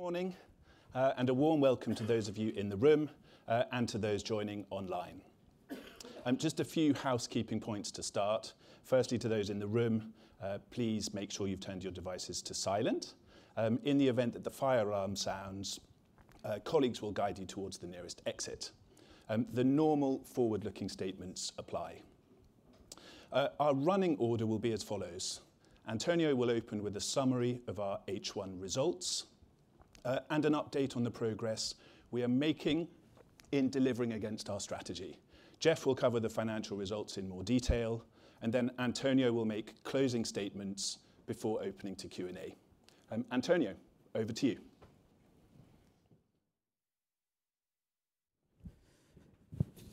Good morning, and a warm welcome to those of you in the room, and to those joining online. Just a few housekeeping points to start. Firstly, to those in the room, please make sure you've turned your devices to silent. In the event that the fire alarm sounds, colleagues will guide you towards the nearest exit. The normal forward-looking statements apply. Our running order will be as follows: António will open with a summary of our H1 results and an update on the progress we are making in delivering against our strategy. Jeff will cover the financial results in more detail, and then António will make closing statements before opening to Q&A. António, over to you.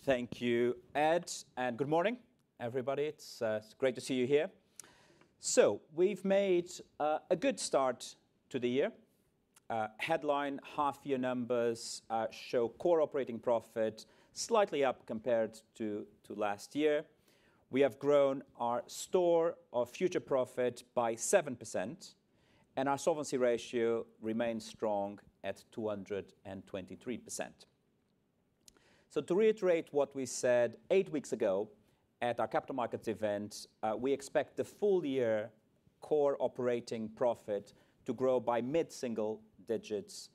Thank you, Ed, and good morning, everybody. It's great to see you here. We've made a good start to the year. Headline half-year numbers show core operating profit slightly up compared to last year. We have grown our store of future profit by 7%, and our solvency ratio remains strong at 223%. To reiterate what we said eight weeks ago at our capital markets event, we expect the full-year core operating profit to grow by mid-single digits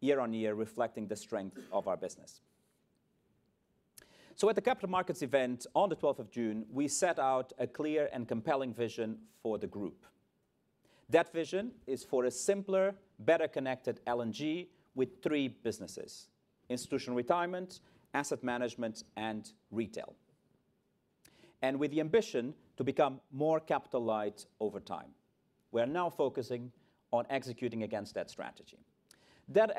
year-on-year, reflecting the strength of our business. At the capital markets event on the 12th of June, we set out a clear and compelling vision for the group. That vision is for a simpler, better-connected L&G with three businesses: institutional retirement, asset management, and retail. With the ambition to become more capital-light over time, we're now focusing on executing against that strategy. That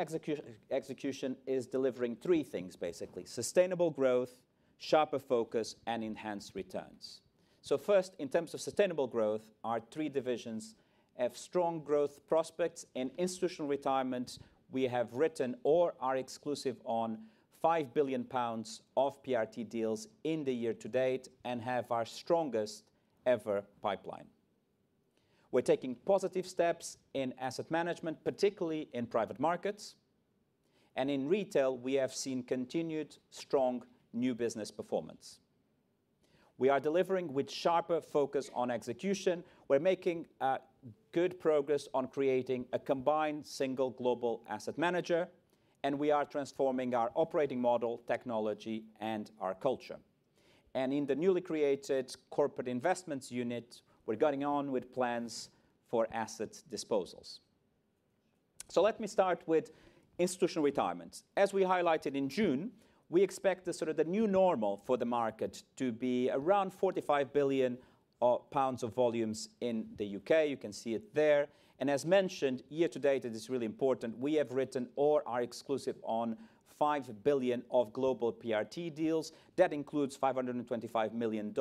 execution is delivering three things, basically: sustainable growth, sharper focus, and enhanced returns. So first, in terms of sustainable growth, our three divisions have strong growth prospects in institutional retirement. We have written or are exclusive on 5 billion pounds of PRT deals in the year to date and have our strongest-ever pipeline. We're taking positive steps in asset management, particularly in private markets. And in retail, we have seen continued strong new business performance. We are delivering with sharper focus on execution. We're making good progress on creating a combined single global asset manager, and we are transforming our operating model, technology, and our culture. And in the newly created Corporate Investments Unit, we're going on with plans for assets disposals. So let me start with institutional retirement. As we highlighted in June, we expect the sort of the new normal for the market to be around 45 billion pounds of volumes in the U.K. You can see it there. As mentioned, year to date, it is really important. We have written or are exclusive on 5 billion of global PRT deals. That includes $525 million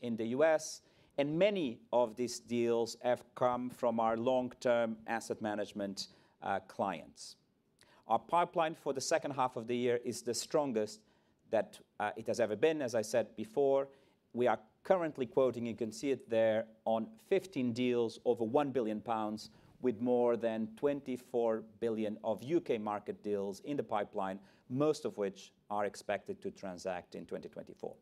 in the U.S., and many of these deals have come from our long-term asset management clients. Our pipeline for the second half of the year is the strongest that it has ever been. As I said before, we are currently quoting, you can see it there, on 15 deals over 1 billion pounds, with more than 24 billion of U.K. market deals in the pipeline, most of which are expected to transact in 2024.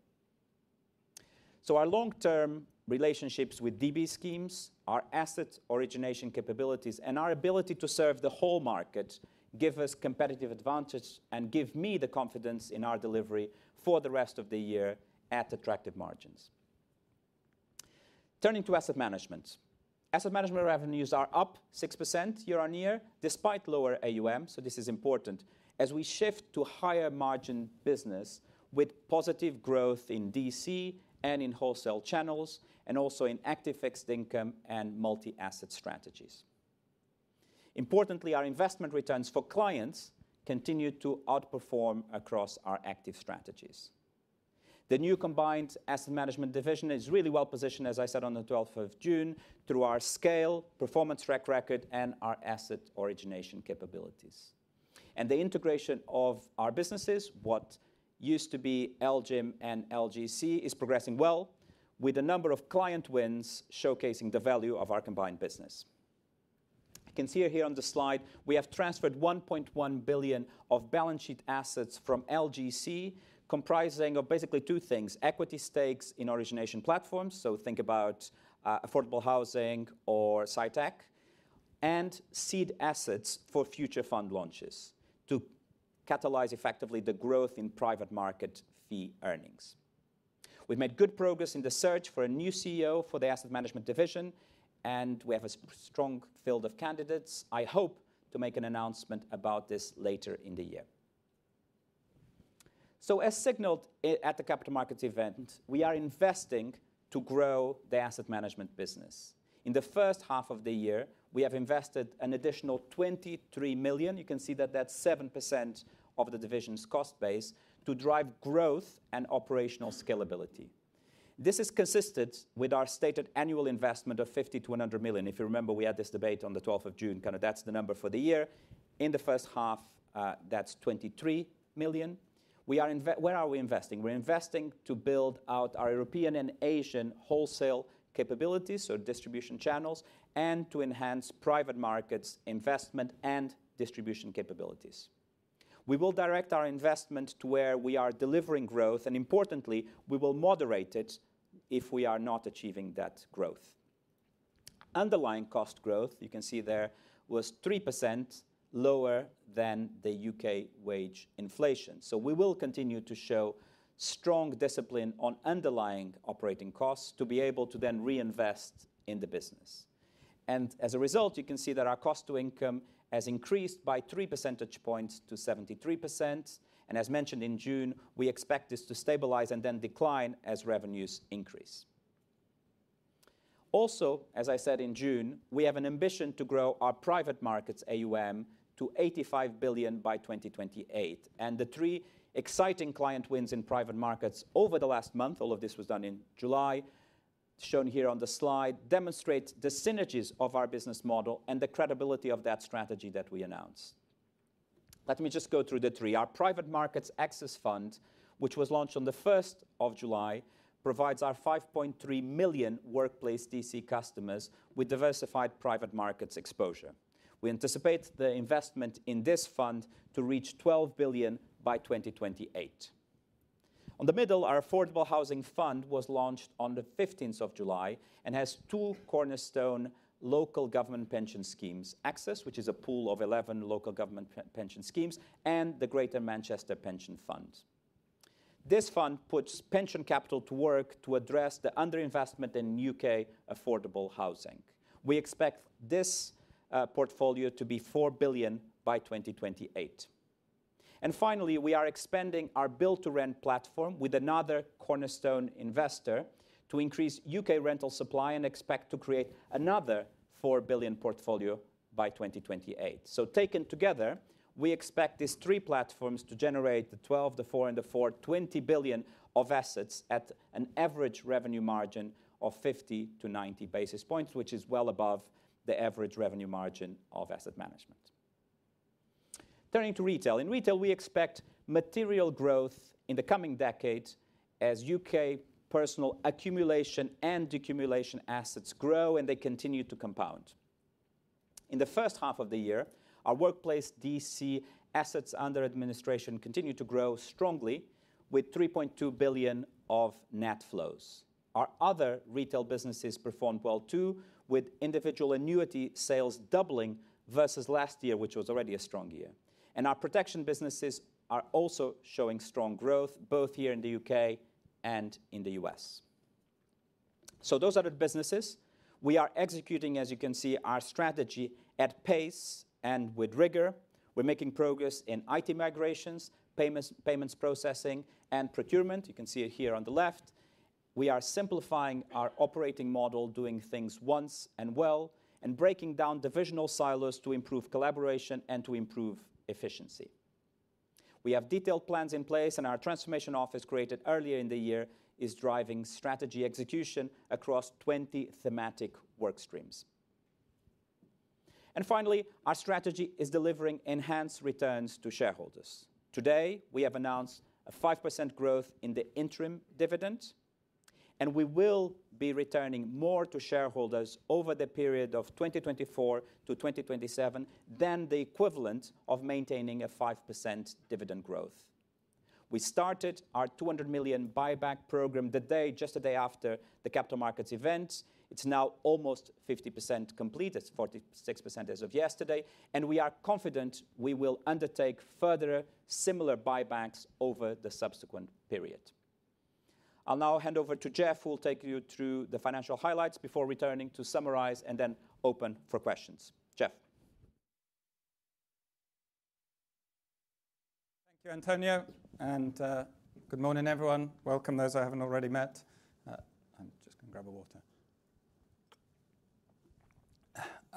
Our long-term relationships with pension schemes, our asset origination capabilities, and our ability to serve the whole market give us competitive advantage and give me the confidence in our delivery for the rest of the year at attractive margins. Turning to asset management, asset management revenues are up 6% year-over-year, despite lower AUM. This is important as we shift to higher margin business with positive growth in DC and in wholesale channels, and also in active fixed income and multi-asset strategies. Importantly, our investment returns for clients continue to outperform across our active strategies. The new combined asset management division is really well positioned, as I said on the 12th of June, through our scale, performance track record, and our asset origination capabilities. The integration of our businesses, what used to be LGIM and LGC, is progressing well, with a number of client wins showcasing the value of our combined business. You can see here on the slide, we have transferred 1.1 billion of balance sheet assets from LGC, comprising of basically two things: equity stakes in origination platforms, so think about affordable housing or SciTech, and seed assets for future fund launches to catalyze effectively the growth in private market fee earnings. We've made good progress in the search for a new CEO for the asset management division, and we have a strong field of candidates. I hope to make an announcement about this later in the year. As signaled at the capital markets event, we are investing to grow the asset management business. In the first half of the year, we have invested an additional 23 million. You can see that that's 7% of the division's cost base to drive growth and operational scalability. This has consisted with our stated annual investment of 50 million-100 million. If you remember, we had this debate on the 12th of June, kind of that's the number for the year. In the first half, that's 23 million. We are investing, where are we investing? We're investing to build out our European and Asian wholesale capabilities, so distribution channels, and to enhance private markets investment and distribution capabilities. We will direct our investment to where we are delivering growth, and importantly, we will moderate it if we are not achieving that growth. Underlying cost growth, you can see there, was 3% lower than the U.K. wage inflation. So we will continue to show strong discipline on underlying operating costs to be able to then reinvest in the business. As a result, you can see that our cost to income has increased by 3 percentage points to 73%. As mentioned in June, we expect this to stabilize and then decline as revenues increase. Also, as I said in June, we have an ambition to grow our private markets AUM to 85 billion by 2028. The three exciting client wins in private markets over the last month, all of this was done in July, shown here on the slide, demonstrate the synergies of our business model and the credibility of that strategy that we announced. Let me just go through the three. Our Private Markets Access Fund, which was launched on the 1st of July, provides our 5.3 million workplace DC customers with diversified private markets exposure. We anticipate the investment in this fund to reach 12 billion by 2028. On the middle, our Affordable Housing Fund was launched on the 15th of July and has two cornerstone local government pension schemes: ACCESS, which is a pool of 11 local government pension schemes, and the Greater Manchester Pension Fund. This fund puts pension capital to work to address the underinvestment in U.K. affordable housing. We expect this portfolio to be 4 billion by 2028. And finally, we are expanding our Build to Rent platform with another cornerstone investor to increase U.K. rental supply and expect to create another 4 billion portfolio by 2028. Taken together, we expect these three platforms to generate the 12 billion, the 4 billion, and the 4 billion, 20 billion of assets at an average revenue margin of 50-90 basis points, which is well above the average revenue margin of asset management. Turning to retail. In retail, we expect material growth in the coming decades as U.K. personal accumulation and accumulation assets grow and they continue to compound. In the first half of the year, our workplace DC assets under administration continue to grow strongly with 3.2 billion of net flows. Our other retail businesses performed well too, with individual annuity sales doubling versus last year, which was already a strong year. Our protection businesses are also showing strong growth, both here in the U.K. and in the U.S. So those are the businesses. We are executing, as you can see, our strategy at pace and with rigor. We're making progress in IT migrations, payments processing, and procurement. You can see it here on the left. We are simplifying our operating model, doing things once and well, and breaking down divisional silos to improve collaboration and to improve efficiency. We have detailed plans in place, and our transformation office created earlier in the year is driving strategy execution across 20 thematic workstreams. And finally, our strategy is delivering enhanced returns to shareholders. Today, we have announced a 5% growth in the interim dividend, and we will be returning more to shareholders over the period of 2024 to 2027 than the equivalent of maintaining a 5% dividend growth. We started our 200 million buyback program the day, just a day after the capital markets event. It's now almost 50% complete, 46% as of yesterday, and we are confident we will undertake further similar buybacks over the subsequent period. I'll now hand over to Jeff, who will take you through the financial highlights before returning to summarize and then open for questions. Jeff. Thank you, António, and good morning, everyone. Welcome, those I haven't already met. I'm just going to grab a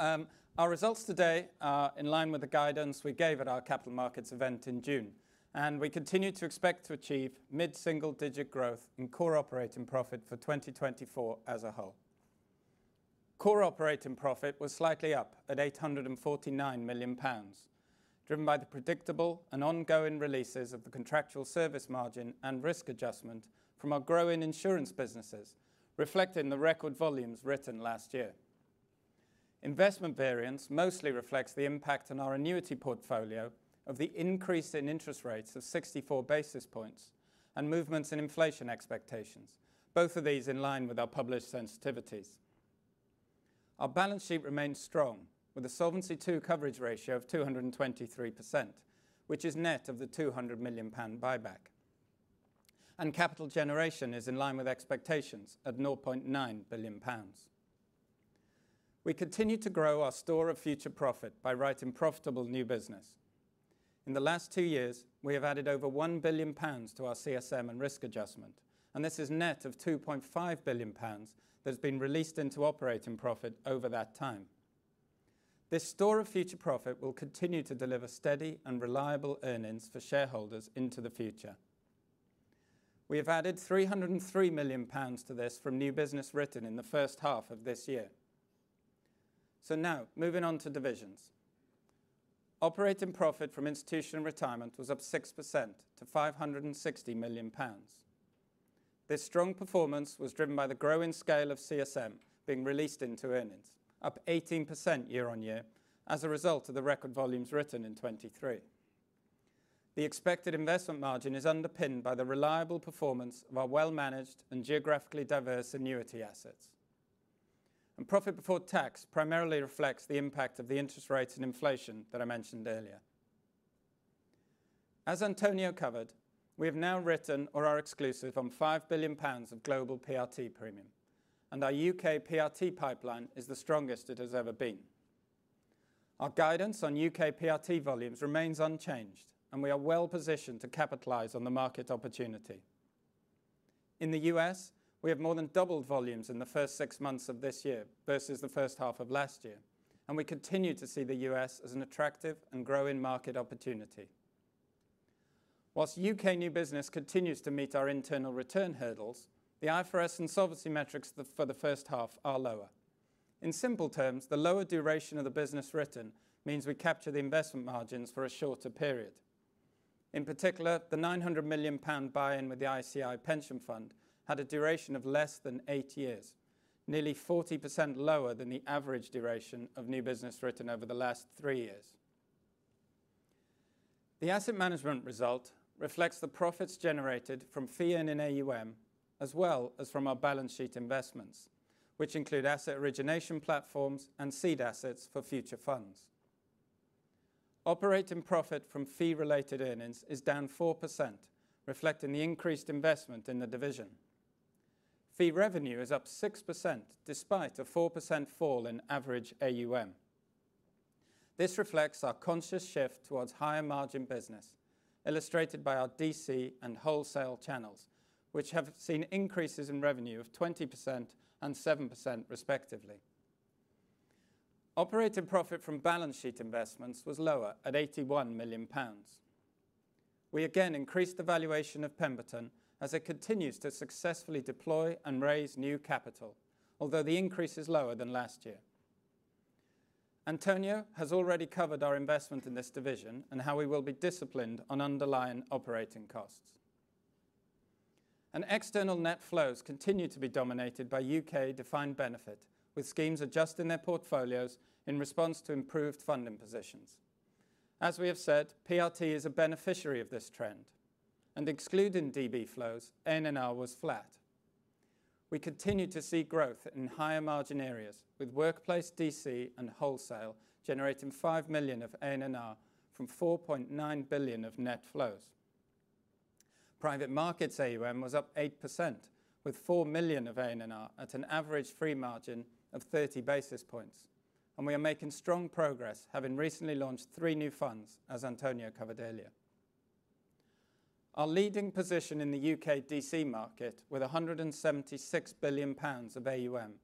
water. Our results today are in line with the guidance we gave at our capital markets event in June, and we continue to expect to achieve mid-single-digit growth in core operating profit for 2024 as a whole. Core operating profit was slightly up at 849 million pounds, driven by the predictable and ongoing releases of the contractual service margin and risk adjustment from our growing insurance businesses, reflecting the record volumes written last year. Investment variance mostly reflects the impact on our annuity portfolio of the increase in interest rates of 64 basis points and movements in inflation expectations, both of these in line with our published sensitivities. Our balance sheet remains strong with a solvency coverage ratio of 223%, which is net of the 200 million pound buyback. Capital generation is in line with expectations at 0.9 billion pounds. We continue to grow our store of future profit by writing profitable new business. In the last two years, we have added over 1 billion pounds to our CSM and risk adjustment, and this is net of 2.5 billion pounds that has been released into operating profit over that time. This store of future profit will continue to deliver steady and reliable earnings for shareholders into the future. We have added 303 million pounds to this from new business written in the first half of this year. Now, moving on to divisions. Operating profit from institutional retirement was up 6% to 560 million pounds. This strong performance was driven by the growing scale of CSM being released into earnings, up 18% year-on-year as a result of the record volumes written in 2023. The expected investment margin is underpinned by the reliable performance of our well-managed and geographically diverse annuity assets. Profit before tax primarily reflects the impact of the interest rates and inflation that I mentioned earlier. As Antonio covered, we have now written or are exclusive on £5 billion of global PRT premium, and our U.K. PRT pipeline is the strongest it has ever been. Our guidance on U.K. PRT volumes remains unchanged, and we are well positioned to capitalize on the market opportunity. In the U.S., we have more than doubled volumes in the first six months of this year versus the first half of last year, and we continue to see the U.S. as an attractive and growing market opportunity. While U.K. new business continues to meet our internal return hurdles, the IFRS and solvency metrics for the first half are lower. In simple terms, the lower duration of the business written means we capture the investment margins for a shorter period. In particular, the 900 million pound buy-in with the ICI Pension Fund had a duration of less than eight years, nearly 40% lower than the average duration of new business written over the last three years. The asset management result reflects the profits generated from fee earning AUM, as well as from our balance sheet investments, which include asset origination platforms and seed assets for future funds. Operating profit from fee-related earnings is down 4%, reflecting the increased investment in the division. Fee revenue is up 6% despite a 4% fall in average AUM. This reflects our conscious shift towards higher margin business, illustrated by our DC and wholesale channels, which have seen increases in revenue of 20% and 7%, respectively. Operating profit from balance sheet investments was lower at 81 million pounds. We again increased the valuation of Pemberton as it continues to successfully deploy and raise new capital, although the increase is lower than last year. Antonio has already covered our investment in this division and how we will be disciplined on underlying operating costs. External net flows continue to be dominated by U.K. defined benefit, with schemes adjusting their portfolios in response to improved funding positions. As we have said, PRT is a beneficiary of this trend, and excluding DB flows, ANNR was flat. We continue to see growth in higher margin areas, with workplace DC and wholesale generating 5 million of ANNR from 4.9 billion of net flows. Private markets AUM was up 8%, with 4 million of ANNR at an average free margin of 30 basis points, and we are making strong progress, having recently launched three new funds, as António covered earlier. Our leading position in the U.K. DC market, with 176 billion pounds of AUM,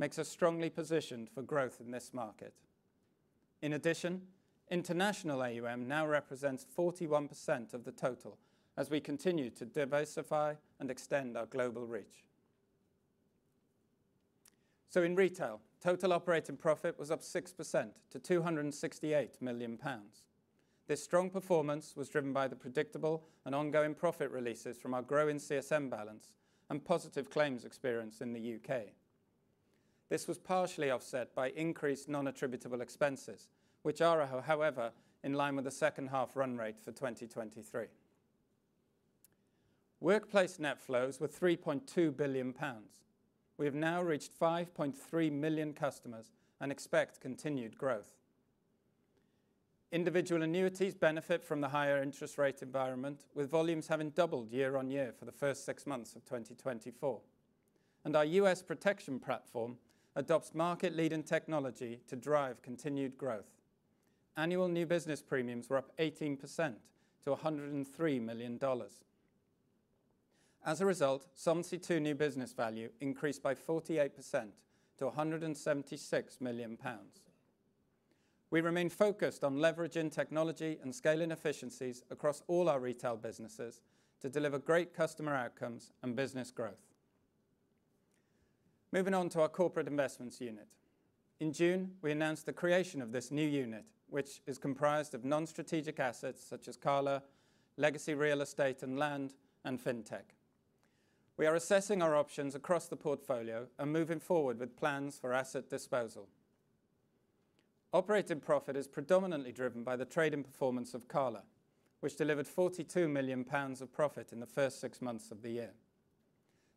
makes us strongly positioned for growth in this market. In addition, international AUM now represents 41% of the total, as we continue to diversify and extend our global reach. So in retail, total operating profit was up 6% to 268 million pounds. This strong performance was driven by the predictable and ongoing profit releases from our growing CSM balance and positive claims experience in the U.K. This was partially offset by increased non-attributable expenses, which are, however, in line with the second half run rate for 2023. Workplace net flows were 3.2 billion pounds. We have now reached 5.3 million customers and expect continued growth. Individual annuities benefit from the higher interest rate environment, with volumes having doubled year-on-year for the first six months of 2024. Our U.S. protection platform adopts market-leading technology to drive continued growth. Annual new business premiums were up 18% to $103 million. As a result, solvency to new business value increased by 48% to 176 million pounds. We remain focused on leveraging technology and scaling efficiencies across all our retail businesses to deliver great customer outcomes and business growth. Moving on to our Corporate Investments Unit. In June, we announced the creation of this new unit, which is comprised of non-strategic assets such as Cala, legacy real estate and land, and fintech. We are assessing our options across the portfolio and moving forward with plans for asset disposal. Operating profit is predominantly driven by the trade and performance of Cala, which delivered 42 million pounds of profit in the first six months of the year.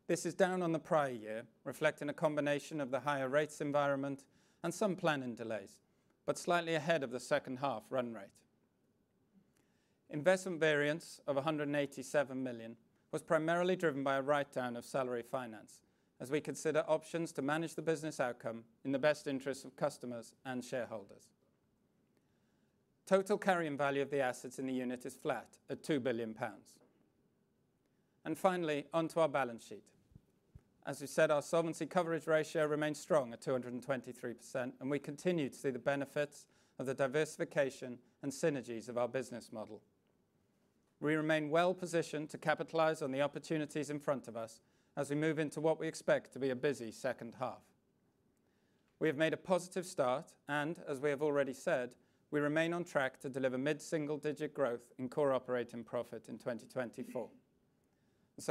This is down on the prior year, reflecting a combination of the higher rates environment and some planning delays, but slightly ahead of the second half run rate. Investment variance of 187 million was primarily driven by a write-down of Salary Finance, as we consider options to manage the business outcome in the best interests of customers and shareholders. Total carrying value of the assets in the unit is flat at 2 billion pounds. Finally, onto our balance sheet. As we said, our solvency coverage ratio remains strong at 223%, and we continue to see the benefits of the diversification and synergies of our business model. We remain well positioned to capitalize on the opportunities in front of us as we move into what we expect to be a busy second half. We have made a positive start, and as we have already said, we remain on track to deliver mid-single digit growth in core operating profit in 2024.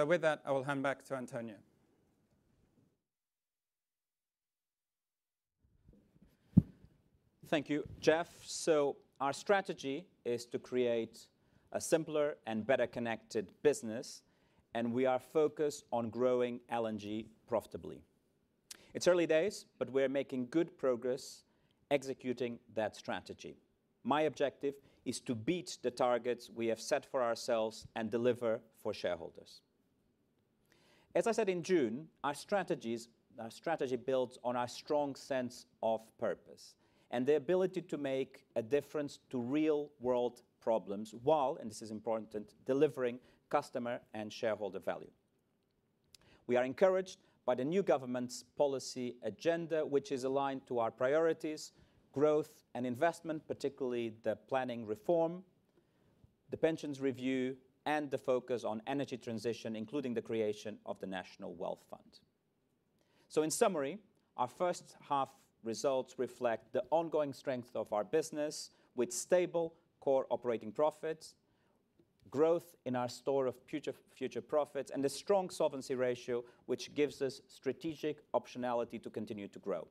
With that, I will hand back to António. Thank you, Jeff. So our strategy is to create a simpler and better connected business, and we are focused on growing L&G profitably. It's early days, but we're making good progress executing that strategy. My objective is to beat the targets we have set for ourselves and deliver for shareholders. As I said in June, our strategy builds on our strong sense of purpose and the ability to make a difference to real-world problems while, and this is important, delivering customer and shareholder value. We are encouraged by the new government's policy agenda, which is aligned to our priorities, growth and investment, particularly the planning reform, the pensions review, and the focus on energy transition, including the creation of the National Wealth Fund. So in summary, our first half results reflect the ongoing strength of our business with stable core operating profits, growth in our store of future profits, and a strong solvency ratio, which gives us strategic optionality to continue to grow.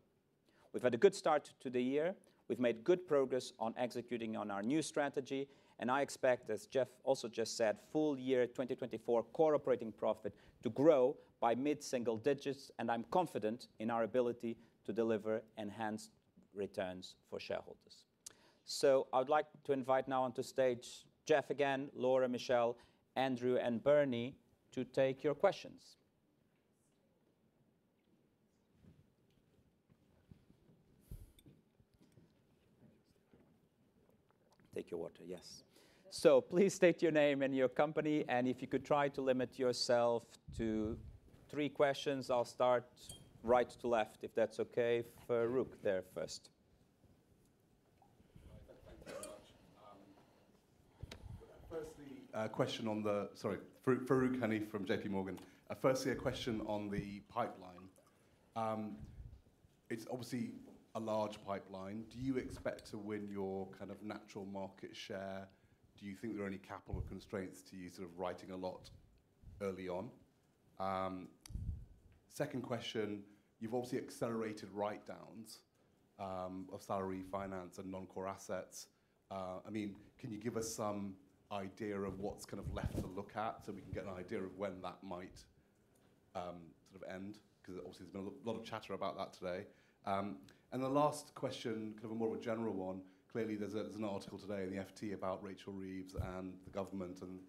We've had a good start to the year. We've made good progress on executing on our new strategy, and I expect, as Jeff also just said, full year 2024 core operating profit to grow by mid-single digits, and I'm confident in our ability to deliver enhanced returns for shareholders. So I would like to invite now onto stage Jeff again, Laura, Michelle, Andrew, and Bernie to take your questions. Take your water, yes. So please state your name and your company, and if you could try to limit yourself to three questions, I'll start right to left, if that's okay. Farooq there first. Firstly, a question on the, sorry, Farooq Hanif from JPMorgan. Firstly, a question on the pipeline. It's obviously a large pipeline. Do you expect to win your kind of natural market share? Do you think there are any capital constraints to you sort of writing a lot early on? Second question, you've obviously accelerated write-downs of Salary Finance and non-core assets. I mean, can you give us some idea of what's kind of left to look at so we can get an idea of when that might sort of end? Because obviously there's been a lot of chatter about that today. And the last question, kind of a more general one. Clearly, there's an article today in the FT about Rachel Reeves and the government and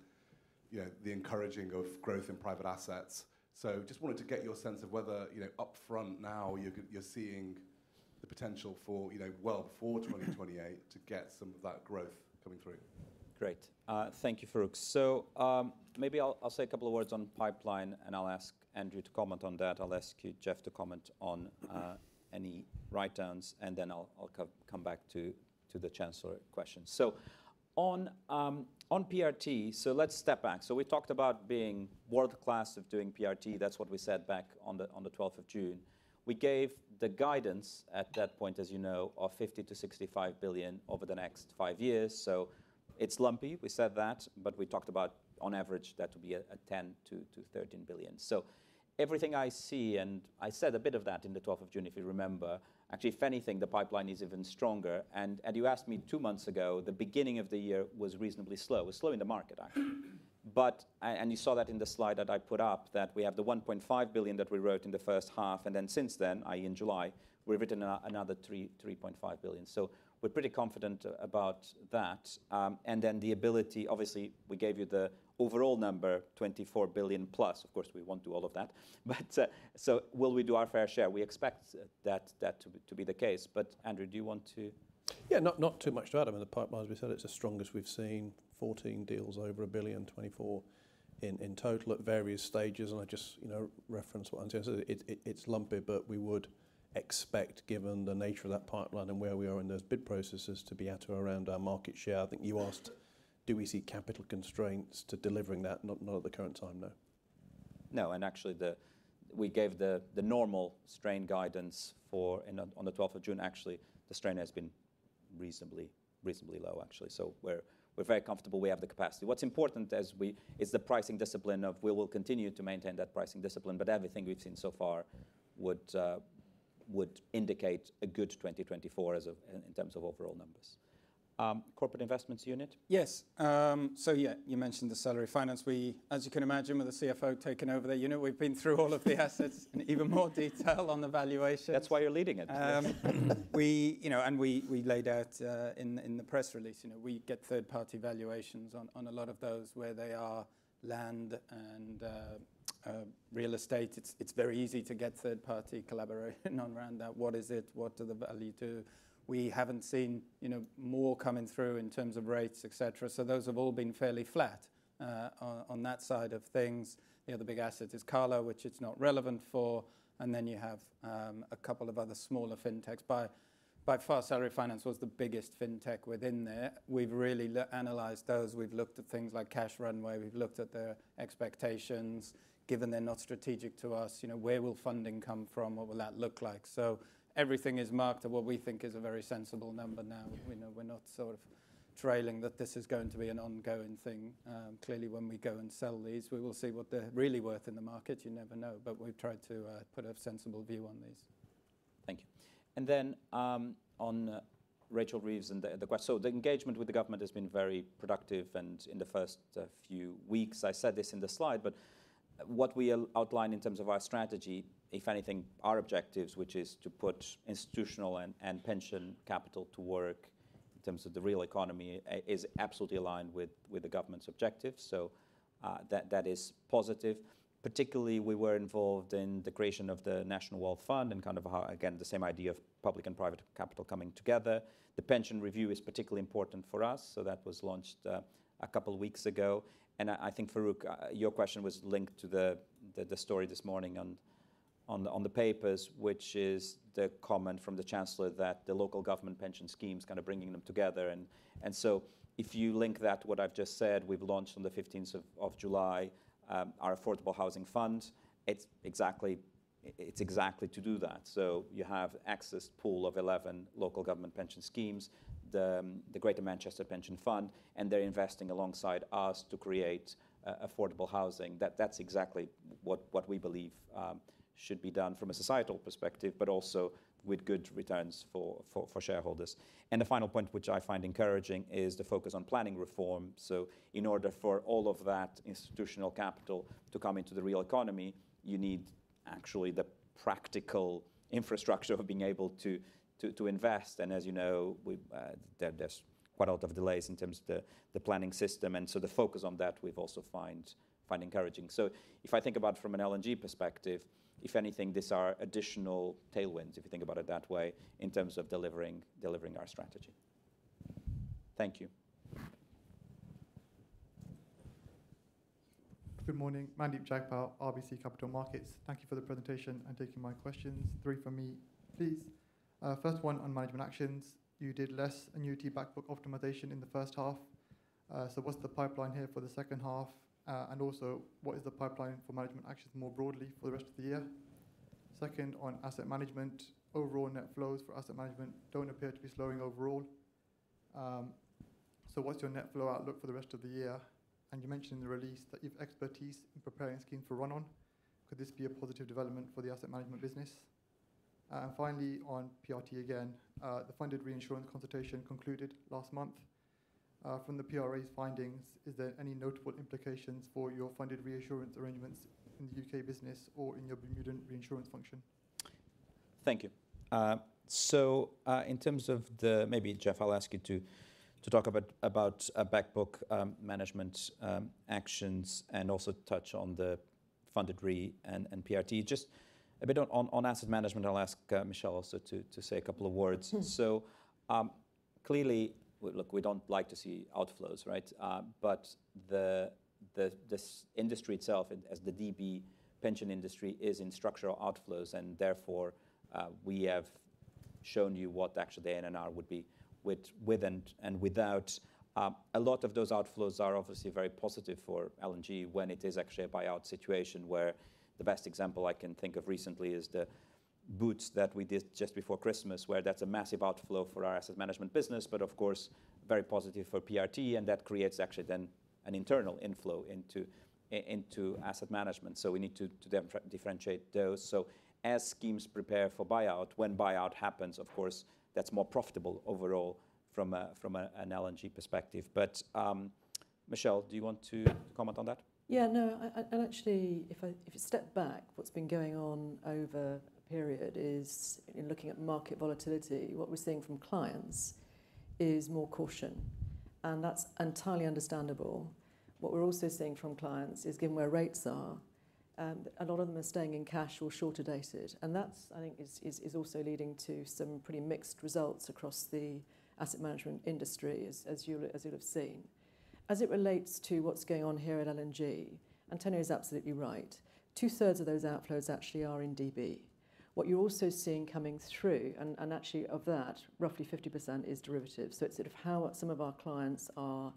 the encouraging of growth in private assets. Just wanted to get your sense of whether, you know, upfront now you're seeing the potential for well before 2028 to get some of that growth coming through. Great. Thank you, Farooq. So maybe I'll say a couple of words on pipeline, and I'll ask Andrew to comment on that. I'll ask you, Jeff, to comment on any write-downs, and then I'll come back to the chancellor questions. So on PRT, so let's step back. So we talked about being world-class at doing PRT. That's what we said back on the 12th of June. We gave the guidance at that point, as you know, of 50 billion-65 billion over the next five years. So it's lumpy. We said that, but we talked about on average that would be a 10 billion-13 billion. So everything I see, and I said a bit of that in the 12th of June, if you remember, actually, if anything, the pipeline is even stronger. And you asked me two months ago, the beginning of the year was reasonably slow. It was slow in the market, but and you saw that in the slide that I put up, that we have the 1.5 billion that we wrote in the first half, and then since then, i.e., in July, we've written another 3.5 billion. So we're pretty confident about that. And then the ability, obviously, we gave you the overall number, 24 billion plus. Of course, we want to do all of that. But so will we do our fair share? We expect that to be the case. But Andrew, do you want to? Yeah, not too much about it. I mean, the pipeline, as we said, it's the strongest we've seen. 14 deals over 1 billion, 2024 in total at various stages. I just, you know, reference what António said. It's lumpy, but we would expect, given the nature of that pipeline and where we are in those bid processes, to be at or around our market share. I think you asked, do we see capital constraints to delivering that? Not at the current time, no. No, and actually, we gave the normal strain guidance for on the 12th of June. Actually, the strain has been reasonably low, actually. So we're very comfortable. We have the capacity. What's important is the pricing discipline of we will continue to maintain that pricing discipline, but everything we've seen so far would indicate a good 2024 in terms of overall numbers. Corporate Investments Unit? Yes. So yeah, you mentioned the Salary Finance. As you can imagine, with the CFO taken over the unit, we've been through all of the assets in even more detail on the valuation. That's why you're leading it. And we laid out in the press release, you know, we get third-party valuations on a lot of those where they are land and real estate. It's very easy to get third-party collaboration on around that. What is it? What does the value do? We haven't seen more coming through in terms of rates, et cetera. So those have all been fairly flat on that side of things. The other big asset is Cala, which it's not relevant for. And then you have a couple of other smaller fintechs. By far, Salary Finance was the biggest fintech within there. We've really analyzed those. We've looked at things like cash runway. We've looked at their expectations, given they're not strategic to us. You know, where will funding come from? What will that look like? So everything is marked at what we think is a very sensible number now. We're not sort of trailing that this is going to be an ongoing thing. Clearly, when we go and sell these, we will see what they're really worth in the market. You never know, but we've tried to put a sensible view on these. Thank you. And then on Rachel Reeves and the question, so the engagement with the government has been very productive. And in the first few weeks, I said this in the slide, but what we outline in terms of our strategy, if anything, our objectives, which is to put institutional and pension capital to work in terms of the real economy, is absolutely aligned with the government's objectives. So that is positive. Particularly, we were involved in the creation of the National Wealth Fund and kind of, again, the same idea of public and private capital coming together. The pension review is particularly important for us. So that was launched a couple of weeks ago. And I think, Farooq, your question was linked to the story this morning on the papers, which is the comment from the chancellor that the local government pension schemes kind of bringing them together. So if you link that to what I've just said, we've launched on the 15th of July our Affordable Housing Fund. It's exactly to do that. So you have ACCESS Pool of 11 local government pension schemes, the Greater Manchester Pension Fund, and they're investing alongside us to create affordable housing. That's exactly what we believe should be done from a societal perspective, but also with good returns for shareholders. And the final point, which I find encouraging, is the focus on planning reform. So in order for all of that institutional capital to come into the real economy, you need actually the practical infrastructure of being able to invest. And as you know, there's quite a lot of delays in terms of the planning system. And so the focus on that we've also found encouraging. If I think about it from an L&G perspective, if anything, these are additional tailwinds, if you think about it that way, in terms of delivering our strategy. Thank you. Good morning. Mandeep Jagpal, RBC Capital Markets. Thank you for the presentation and taking my questions. Three for me, please. First one on management actions. You did less annuity backbook optimization in the first half. So what's the pipeline here for the second half? And also, what is the pipeline for management actions more broadly for the rest of the year? Second, on asset management, overall net flows for asset management don't appear to be slowing overall. So what's your net flow outlook for the rest of the year? And you mentioned in the release that you've expertise in preparing schemes for run-on. Could this be a positive development for the asset management business? And finally, on PRT again, the funded reinsurance consultation concluded last month. From the PRA's findings, is there any notable implications for your funded reinsurance arrangements in the U.K. business or in your reinsurance function? Thank you. So in terms of the, maybe, Jeff, I'll ask you to talk about backbook management actions and also touch on the funded re and PRT. Just a bit on asset management, I'll ask Michelle also to say a couple of words. So clearly, look, we don't like to see outflows, right? But this industry itself, as the DB pension industry, is in structural outflows, and therefore we have shown you what actually the NNR would be with and without. A lot of those outflows are obviously very positive for L&G when it is actually a buyout situation where the best example I can think of recently is the Boots that we did just before Christmas, where that's a massive outflow for our asset management business, but of course, very positive for PRT, and that creates actually then an internal inflow into asset management. We need to differentiate those. As schemes prepare for buyout, when buyout happens, of course, that's more profitable overall from an L&G perspective. But Michelle, do you want to comment on that? Yeah, no, and actually, if I step back, what's been going on over a period is, in looking at market volatility, what we're seeing from clients is more caution. And that's entirely understandable. What we're also seeing from clients is, given where rates are, a lot of them are staying in cash or shorter dated. And that's, I think, is also leading to some pretty mixed results across the asset management industry, as you'll have seen. As it relates to what's going on here at L&G, Antonio is absolutely right. 2/3 of those outflows actually are in DB. What you're also seeing coming through, and actually of that, roughly 50% is derivatives. So it's sort of how some of our clients are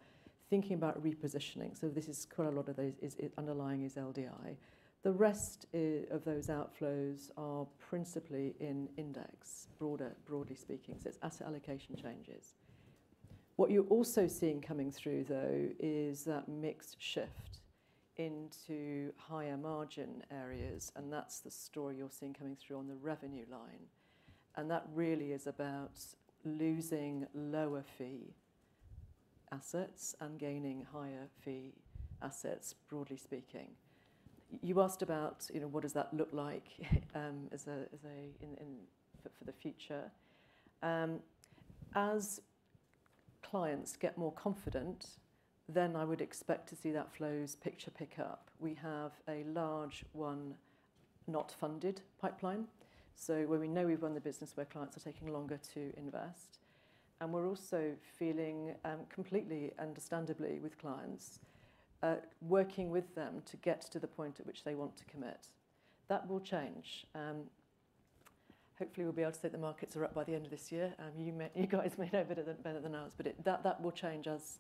thinking about repositioning. So this is quite a lot of those underlying is LDI. The rest of those outflows are principally in index, broadly speaking. So it's asset allocation changes. What you're also seeing coming through, though, is that mix shift into higher margin areas, and that's the story you're seeing coming through on the revenue line. And that really is about losing lower fee assets and gaining higher fee assets, broadly speaking. You asked about what does that look like for the future. As clients get more confident, then I would expect to see that flows picture pick up. We have a large unfunded pipeline. So where we know we've run the business, where clients are taking longer to invest. And we're also dealing, completely understandably with clients, working with them to get to the point at which they want to commit. That will change. Hopefully, we'll be able to say the markets are up by the end of this year. You guys may know better than us, but that will change as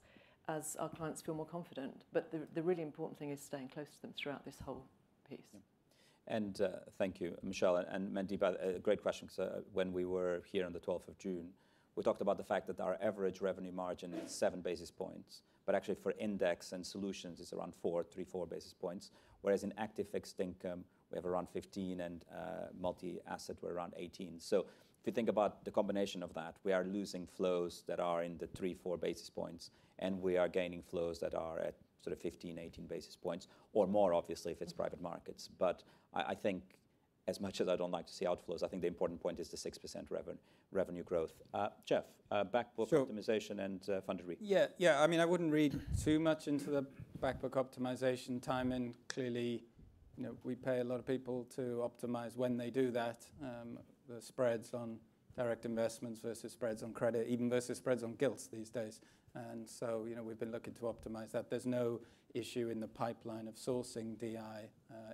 our clients feel more confident. The really important thing is staying close to them throughout this whole piece. And thank you, Michelle. And Mandeep, a great question. So when we were here on the 12th of June, we talked about the fact that our average revenue margin is 7 basis points, but actually for index and solutions, it's around 4, 3, 4 basis points. Whereas in active fixed income, we have around 15, and multi-asset, we're around 18. So if you think about the combination of that, we are losing flows that are in the 3, 4 basis points, and we are gaining flows that are at sort of 15, 18 basis points, or more, obviously, if it's private markets. But I think, as much as I don't like to see outflows, I think the important point is the 6% revenue growth. Jeff, backbook optimization and funded re. Yeah, yeah, I mean, I wouldn't read too much into the backbook optimization timing. Clearly, we pay a lot of people to optimize when they do that. The spreads on direct investments versus spreads on credit, even versus spreads on gilts these days. And so we've been looking to optimize that. There's no issue in the pipeline of sourcing DI.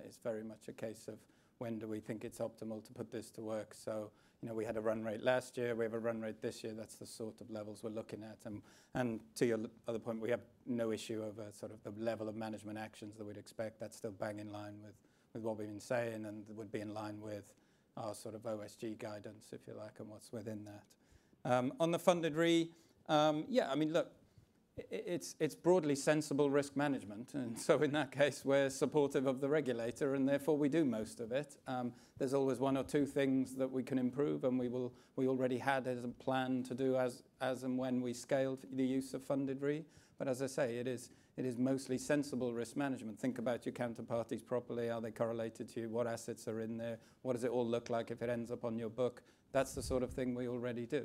It's very much a case of when do we think it's optimal to put this to work. So we had a run rate last year. We have a run rate this year. That's the sort of levels we're looking at. And to your other point, we have no issue of sort of the level of management actions that we'd expect. That's still bang in line with what we've been saying and would be in line with our sort of OSG guidance, if you like, and what's within that. On the funded re, yeah, I mean, look, it's broadly sensible risk management. So in that case, we're supportive of the regulator, and therefore we do most of it. There's always one or two things that we can improve, and we already had as a plan to do as and when we scaled the use of funded re. But as I say, it is mostly sensible risk management. Think about your counterparties properly. Are they correlated to you? What assets are in there? What does it all look like if it ends up on your book? That's the sort of thing we already do.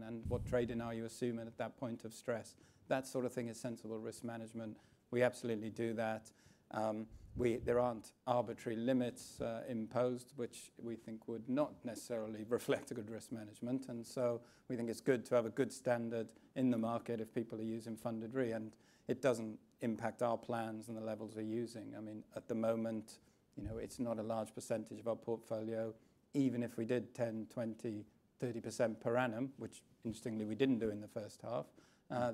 And what trade-in are you assuming at that point of stress? That sort of thing is sensible risk management. We absolutely do that. There aren't arbitrary limits imposed, which we think would not necessarily reflect a good risk management. We think it's good to have a good standard in the market if people are using funded re. It doesn't impact our plans and the levels we're using. I mean, at the moment, it's not a large percentage of our portfolio. Even if we did 10%, 20%, 30% per annum, which interestingly, we didn't do in the first half,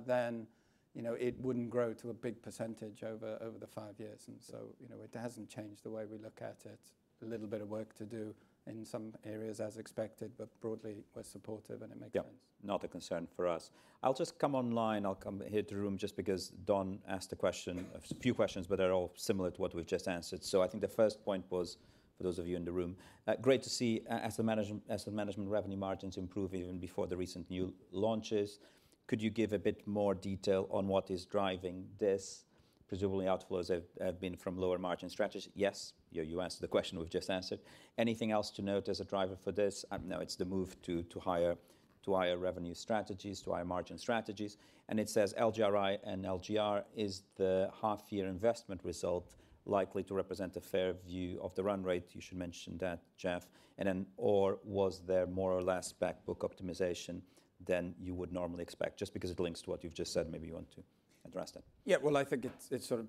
then it wouldn't grow to a big percentage over the five years. It hasn't changed the way we look at it. A little bit of work to do in some areas, as expected, but broadly, we're supportive and it makes sense. Yeah, not a concern for us. I'll just come online. I'll come here to the room just because Don asked a few questions, but they're all similar to what we've just answered. So I think the first point was for those of you in the room. Great to see asset management revenue margins improve even before the recent new launches. Could you give a bit more detail on what is driving this? Presumably, outflows have been from lower margin strategies. Yes, you answered the question we've just answered. Anything else to note as a driver for this? No, it's the move to higher revenue strategies, to higher margin strategies. And it says LGRI and LGR is the half-year investment result likely to represent a fair view of the run rate. You should mention that, Jeff. And then or was there more or less backbook optimization than you would normally expect? Just because it links to what you've just said, maybe you want to address that. Yeah, well, I think it's sort of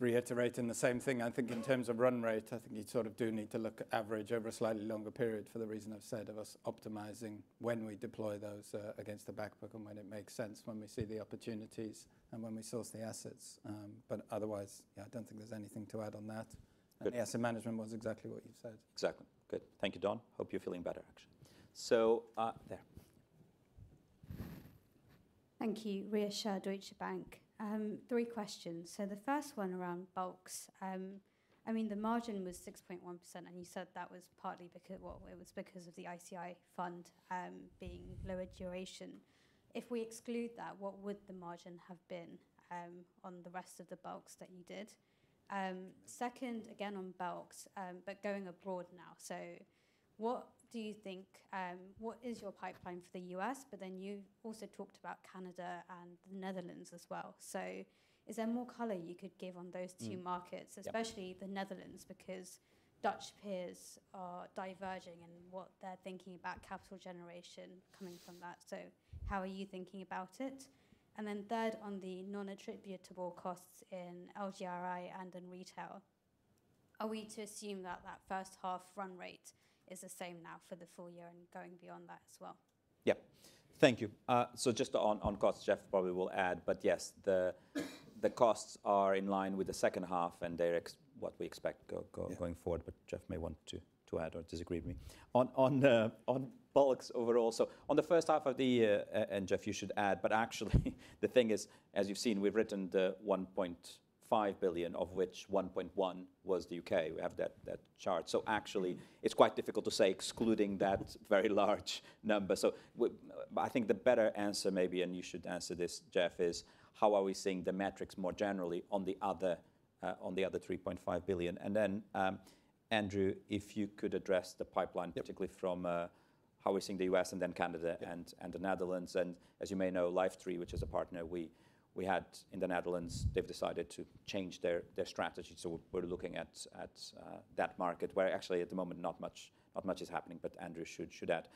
reiterating the same thing. I think in terms of run rate, I think you sort of do need to look at average over a slightly longer period for the reason I've said of us optimizing when we deploy those against the backbook and when it makes sense when we see the opportunities and when we source the assets. But otherwise, I don't think there's anything to add on that. And asset management was exactly what you've said. Exactly. Good. Thank you, Don. Hope you're feeling better, actually. So there. Thank you. Rhea Shah, Deutsche Bank. Three questions. So the first one around bulks. I mean, the margin was 6.1%, and you said that was partly because of the ICI fund being lower duration. If we exclude that, what would the margin have been on the rest of the bulks that you did? Second, again on bulks, but going abroad now. So what do you think, what is your pipeline for the U.S.? But then you also talked about Canada and the Netherlands as well. So is there more color you could give on those two markets, especially the Netherlands, because Dutch peers are diverging in what they're thinking about capital generation coming from that? So how are you thinking about it? And then third, on the non-attributable costs in LGRI and in retail, are we to assume that that first half run rate is the same now for the full year and going beyond that as well? Yeah, thank you. So just on costs, Jeff probably will add, but yes, the costs are in line with the second half, and they're what we expect going forward. But Jeff may want to add or disagree with me on bulks overall. So on the first half of the year, and Jeff, you should add. But actually, the thing is, as you've seen, we've written the 1.5 billion, of which 1.1 billion was the U.K. We have that chart. So actually, it's quite difficult to say excluding that very large number. So I think the better answer maybe, and you should answer this, Jeff, is how are we seeing the metrics more generally on the other 3.5 billion? And then, Andrew, if you could address the pipeline, particularly from how we're seeing the U.S. and then Canada and the Netherlands. As you may know, Lifetri, which is a partner we had in the Netherlands, they've decided to change their strategy. So we're looking at that market, where actually at the moment, not much is happening. But Andrew should add.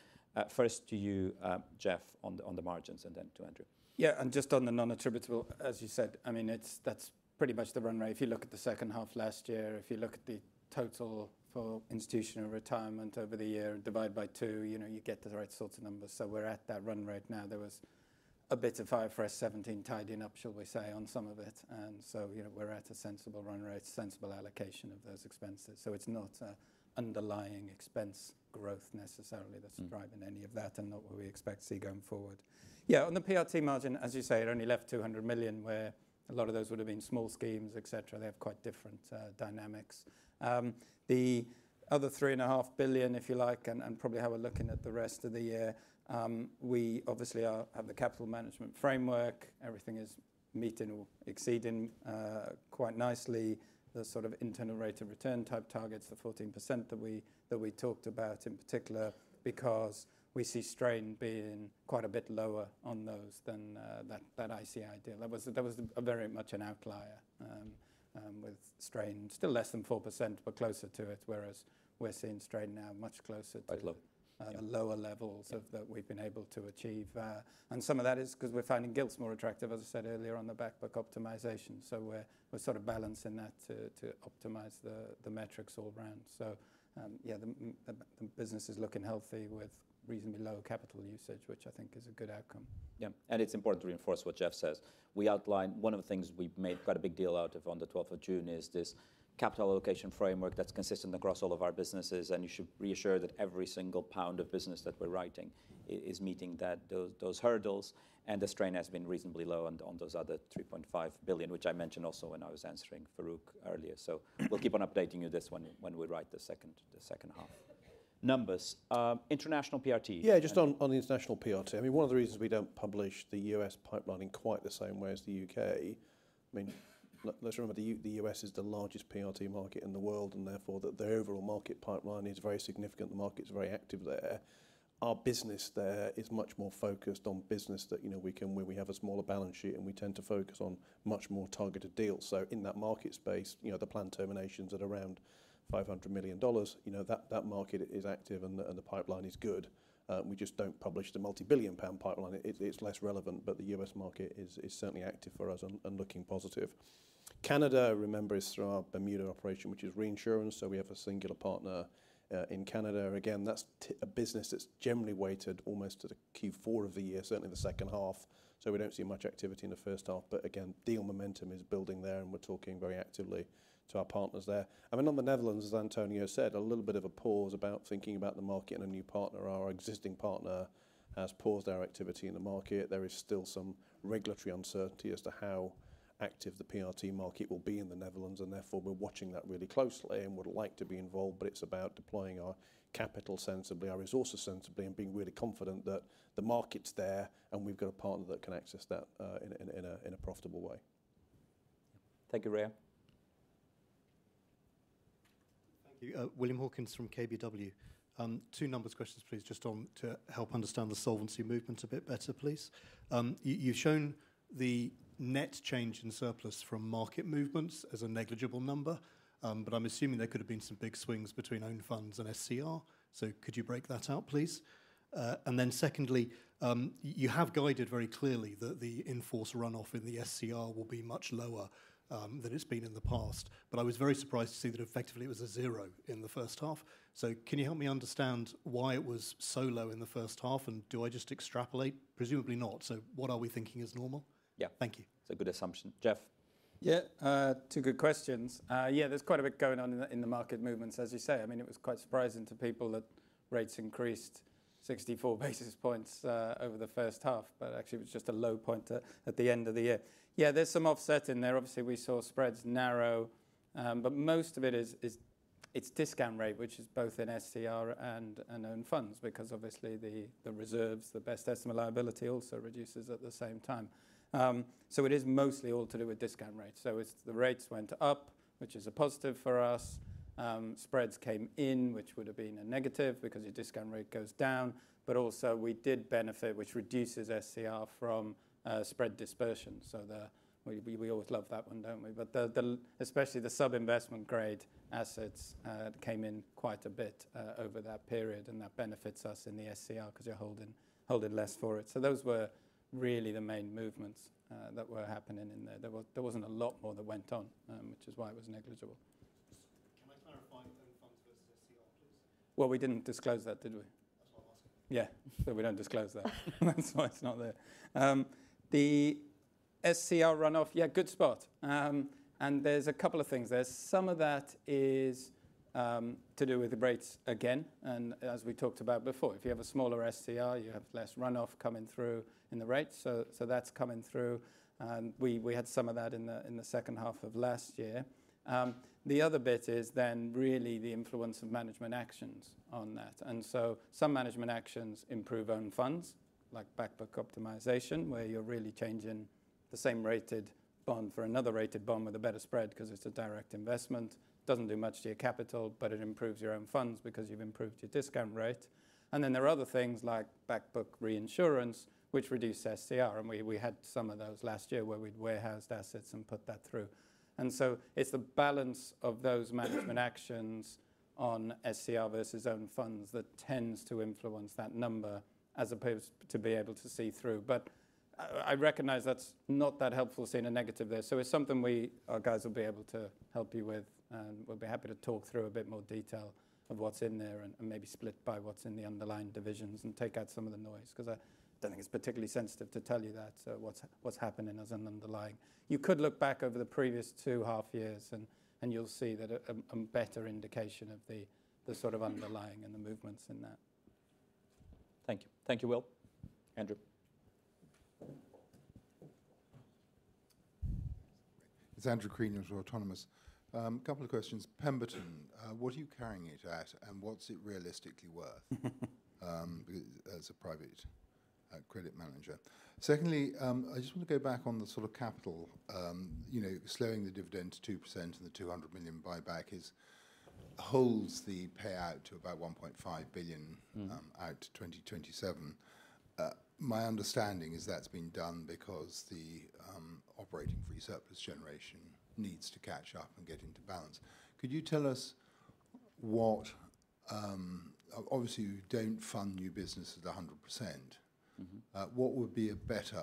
First to you, Jeff, on the margins, and then to Andrew. Yeah, and just on the non-attributable, as you said, I mean, that's pretty much the run rate. If you look at the second half last year, if you look at the total for institutional retirement over the year, divide by two, you get the right sort of numbers. So we're at that run rate now. There was a bit of IFRS 17 tidying up, shall we say, on some of it. And so we're at a sensible run rate, sensible allocation of those expenses. So it's not an underlying expense growth necessarily that's driving any of that and not what we expect to see going forward. Yeah, on the PRT margin, as you say, it only left 200 million, where a lot of those would have been small schemes, etc. They have quite different dynamics. The other 3.5 billion, if you like, and probably how we're looking at the rest of the year, we obviously have the capital management framework. Everything is meeting or exceeding quite nicely. The sort of internal rate of return type targets, the 14% that we talked about in particular, because we see strain being quite a bit lower on those than that ICI deal. That was very much an outlier with strain, still less than 4%, but closer to it, whereas we're seeing strain now much closer to the lower levels that we've been able to achieve. And some of that is because we're finding gilts more attractive, as I said earlier, on the backbook optimization. So we're sort of balancing that to optimize the metrics all around. So yeah, the business is looking healthy with reasonably low capital usage, which I think is a good outcome. Yeah, and it's important to reinforce what Jeff says. We outlined one of the things we've made quite a big deal out of on the 12th of June is this capital allocation framework that's consistent across all of our businesses. And you should reassure that every single pound of business that we're writing is meeting those hurdles. And the strain has been reasonably low on those other 3.5 billion, which I mentioned also when I was answering Farooq earlier. So we'll keep on updating you this one when we write the second half. Numbers, international PRT. Yeah, just on the international PRT. I mean, one of the reasons we don't publish the U.S. pipeline in quite the same way as the U.K. I mean, let's remember the U.S. is the largest PRT market in the world, and therefore the overall market pipeline is very significant. The market's very active there. Our business there is much more focused on business that we have a smaller balance sheet, and we tend to focus on much more targeted deals. So in that market space, the planned terminations at around $500 million, that market is active, and the pipeline is good. We just don't publish the multi-billion GBP pipeline. It's less relevant, but the U.S. market is certainly active for us and looking positive. Canada, remember, is through our Bermuda operation, which is reinsurance. So we have a singular partner in Canada. Again, that's a business that's generally weighted almost to the Q4 of the year, certainly the second half. So we don't see much activity in the first half. But again, deal momentum is building there, and we're talking very actively to our partners there. I mean, on the Netherlands, as António said, a little bit of a pause about thinking about the market and a new partner. Our existing partner has paused our activity in the market. There is still some regulatory uncertainty as to how active the PRT market will be in the Netherlands. And therefore, we're watching that really closely and would like to be involved. But it's about deploying our capital sensibly, our resources sensibly, and being really confident that the market's there, and we've got a partner that can access that in a profitable way. Thank you, Rhea. Thank you. William Hawkins from KBW. Two numbers questions, please, just to help understand the solvency movements a bit better, please. You've shown the net change in surplus from market movements as a negligible number, but I'm assuming there could have been some big swings between own funds and SCR. So could you break that out, please? And then secondly, you have guided very clearly that the enforced run-off in the SCR will be much lower than it's been in the past. But I was very surprised to see that effectively it was a zero in the first half. So can you help me understand why it was so low in the first half? And do I just extrapolate? Presumably not. So what are we thinking is normal? Yeah, thank you. It's a good assumption, Jeff. Yeah, two good questions. Yeah, there's quite a bit going on in the market movements, as you say. I mean, it was quite surprising to people that rates increased 64 basis points over the first half, but actually it was just a low point at the end of the year. Yeah, there's some offset in there. Obviously, we saw spreads narrow, but most of it is its discount rate, which is both in SCR and own funds because obviously the reserves, the best estimate liability also reduces at the same time. So it is mostly all to do with discount rates. So the rates went up, which is a positive for us. Spreads came in, which would have been a negative because your discount rate goes down. But also we did benefit, which reduces SCR from spread dispersion. So we always love that one, don't we? But especially the sub-investment grade assets came in quite a bit over that period, and that benefits us in the SCR because you're holding less for it. So those were really the main movements that were happening in there. There wasn't a lot more that went on, which is why it was negligible. Well, we didn't disclose that, did we? Yeah, so we don't disclose that. That's why it's not there. The SCR run-off, yeah, good spot. There's a couple of things. Some of that is to do with the rates again. As we talked about before, if you have a smaller SCR, you have less run-off coming through in the rates. So that's coming through. We had some of that in the second half of last year. The other bit is then really the influence of management actions on that. So some management actions improve own funds, like backbook optimization, where you're really changing the same rated bond for another rated bond with a better spread because it's a direct investment. It doesn't do much to your capital, but it improves your own funds because you've improved your discount rate. Then there are other things like backbook reinsurance, which reduces SCR. We had some of those last year where we'd warehoused assets and put that through. So it's the balance of those management actions on SCR versus own funds that tends to influence that number as opposed to be able to see through. But I recognize that's not that helpful seeing a negative there. So it's something our guys will be able to help you with, and we'll be happy to talk through a bit more detail of what's in there and maybe split by what's in the underlying divisions and take out some of the noise because I don't think it's particularly sensitive to tell you that's what's happening as an underlying. You could look back over the previous two half years, and you'll see that a better indication of the sort of underlying and the movements in that. Thank you. Thank you, Will. Andrew. It's Andrew Crean of Autonomous. A couple of questions. Pemberton, what are you carrying it at, and what's it realistically worth as a private credit manager? Secondly, I just want to go back on the sort of capital. Slowing the dividend to 2% and the 200 million buyback holds the payout to about 1.5 billion out to 2027. My understanding is that's been done because the operating surplus generation needs to catch up and get into balance. Could you tell us what, obviously you don't fund new businesses 100%, what would be a better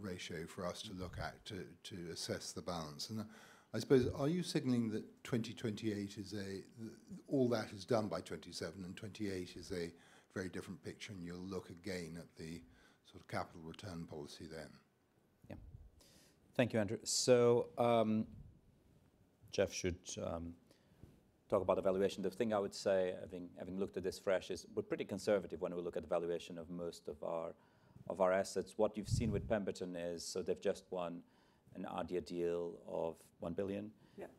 ratio for us to look at to assess the balance? And I suppose, are you signaling that 2028 is a, all that is done by 27 and 28 is a very different picture, and you'll look again at the sort of capital return policy then? Yeah. Thank you, Andrew. So Jeff should talk about the valuation. The thing I would say, having looked at this fresh, is we're pretty conservative when we look at the valuation of most of our assets. What you've seen with Pemberton is, so they've just won an ADIA deal of 1 billion,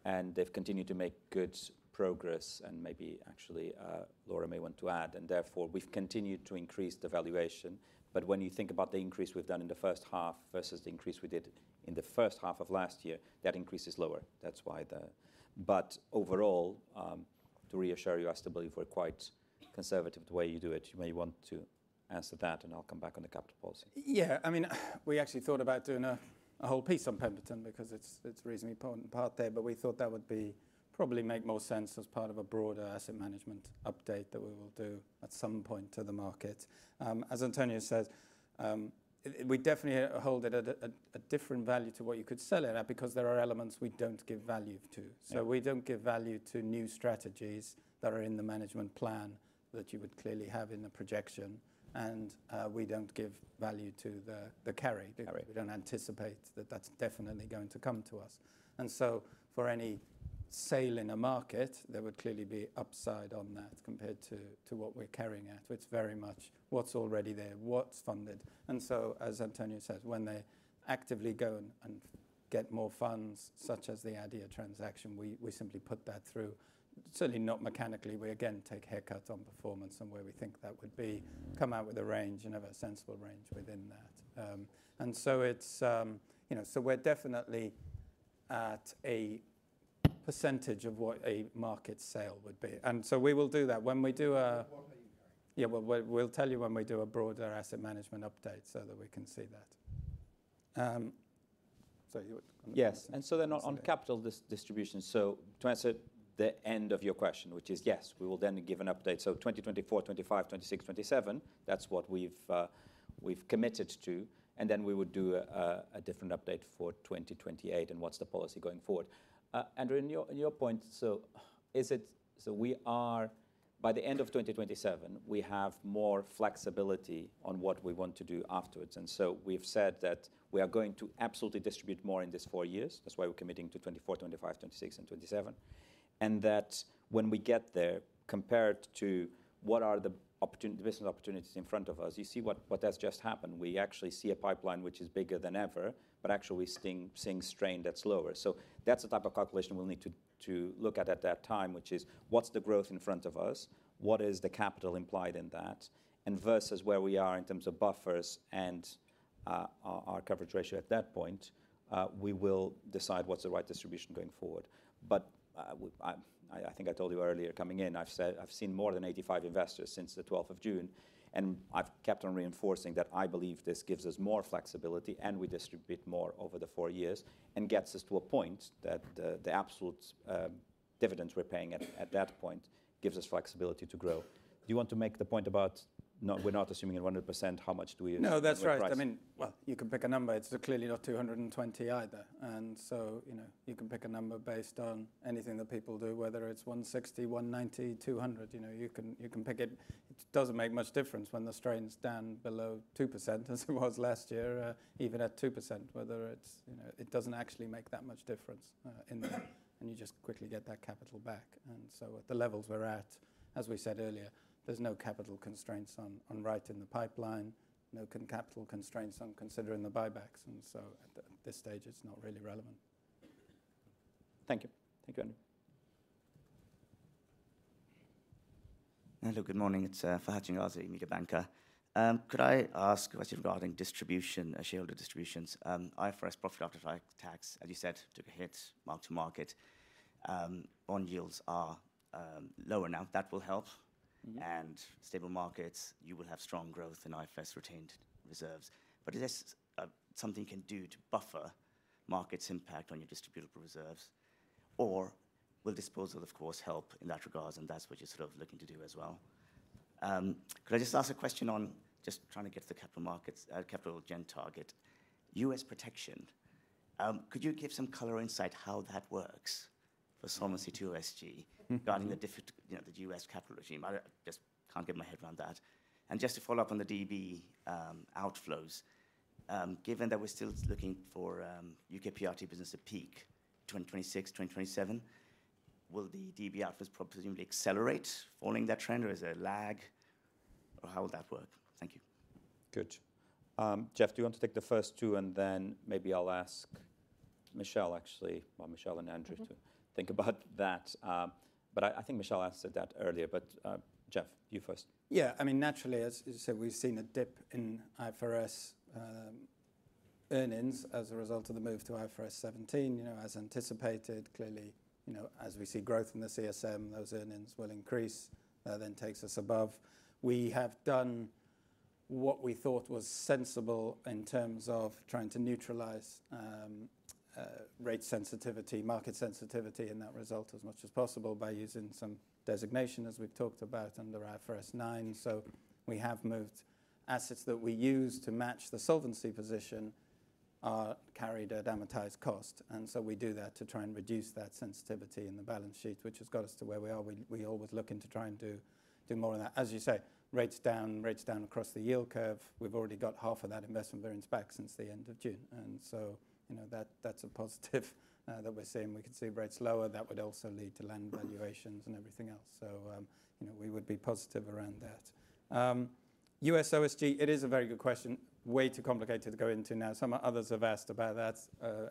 and they've continued to make good progress. And maybe actually Laura may want to add. And therefore, we've continued to increase the valuation. But when you think about the increase we've done in the first half versus the increase we did in the first half of last year, that increase is lower. That's why, but overall, to reassure you, I still believe we're quite conservative the way you do it. You may want to answer that, and I'll come back on the capital policy. Yeah, I mean, we actually thought about doing a whole piece on Pemberton because it's a reasonably important part there. But we thought that would probably make more sense as part of a broader asset management update that we will do at some point to the market. As António says, we definitely hold it at a different value to what you could sell it at because there are elements we don't give value to. So we don't give value to new strategies that are in the management plan that you would clearly have in the projection. And we don't give value to the carry. We don't anticipate that that's definitely going to come to us. And so for any sale in a market, there would clearly be upside on that compared to what we're carrying at. It's very much what's already there, what's funded. And so, as António says, when they actively go and get more funds, such as the ADIA transaction, we simply put that through. Certainly not mechanically. We, again, take haircuts on performance and where we think that would be, come out with a range, you know, a sensible range within that. And so it's, you know, so we're definitely at a percentage of what a market sale would be. And so we will do that. When we do a, yeah, we'll tell you when we do a broader asset management update so that we can see that. So yes. And so then on capital distribution, so to answer the end of your question, which is yes, we will then give an update. So 2024, 2025, 2026, 2027, that's what we've committed to. And then we would do a different update for 2028 and what's the policy going forward? Andrew, in your point, so is it, so we are, by the end of 2027, we have more flexibility on what we want to do afterwards. And so we've said that we are going to absolutely distribute more in these four years. That's why we're committing to 2024, 2025, 2026, and 2027. And that when we get there, compared to what are the business opportunities in front of us, you see what has just happened. We actually see a pipeline which is bigger than ever, but actually we're seeing strain that's lower. So that's the type of calculation we'll need to look at at that time, which is what's the growth in front of us? What is the capital implied in that? And versus where we are in terms of buffers and our coverage ratio at that point, we will decide what's the right distribution going forward. But I think I told you earlier coming in, I've said I've seen more than 85 investors since the 12th of June. And I've kept on reinforcing that I believe this gives us more flexibility and we distribute more over the four years and gets us to a point that the absolute dividends we're paying at that point gives us flexibility to grow. Do you want to make the point about we're not assuming 100%, how much do we? No, that's right. I mean, well, you can pick a number. It's clearly not 220 either. And so you can pick a number based on anything that people do, whether it's 160, 190, 200, you can pick it. It doesn't make much difference when the strain's down below 2% as it was last year, even at 2%, whether it doesn't actually make that much difference in there. And you just quickly get that capital back. And so at the levels we're at, as we said earlier, there's no capital constraints on writing the pipeline, no capital constraints on considering the buybacks. And so at this stage, it's not really relevant. Thank you. Thank you, Andrew. Hello, good morning. It's Fahad Changazi, Mediobanca. Could I ask a question regarding distribution, shareholder distributions? IFRS, profit after tax tax, as you said, took a hit, mark to market. Bond yields are lower now. That will help. And stable markets, you will have strong growth and IFRS retained reserves. But is this something you can do to buffer markets' impact on your distributable reserves? Or will disposal, of course, help in that regard? And that's what you're sort of looking to do as well. Could I just ask a question on just trying to get the capital markets, capital gen target? US protection. Could you give some color insight how that works for Solvency II OSG regarding the US capital regime? I just can't get my head around that. Just to follow up on the DB outflows, given that we're still looking for UK PRT business at peak 2026, 2027, will the DB outflows presumably accelerate following that trend, or is there a lag, or how would that work? Thank you. Good. Jeff, do you want to take the first two, and then maybe I'll ask Michelle, actually, well, Michelle and Andrew to think about that. But I think Michelle asked that earlier, but Jeff, you first. Yeah, I mean, naturally, as you said, we've seen a dip in IFRS earnings as a result of the move to IFRS 17, you know, as anticipated. Clearly, you know, as we see growth in the CSM, those earnings will increase, then takes us above. We have done what we thought was sensible in terms of trying to neutralize rate sensitivity, market sensitivity in that result as much as possible by using some designation, as we've talked about, under IFRS 9. So we have moved assets that we use to match the solvency position are carried at amortized cost. And so we do that to try and reduce that sensitivity in the balance sheet, which has got us to where we are. We always look into trying to do more of that. As you say, rates down, rates down across the yield curve. We've already got half of that investment variance back since the end of June. And so, you know, that's a positive that we're seeing. We can see rates lower. That would also lead to land valuations and everything else. So, you know, we would be positive around that. U.S. OSG, it is a very good question. Way too complicated to go into now. Some others have asked about that,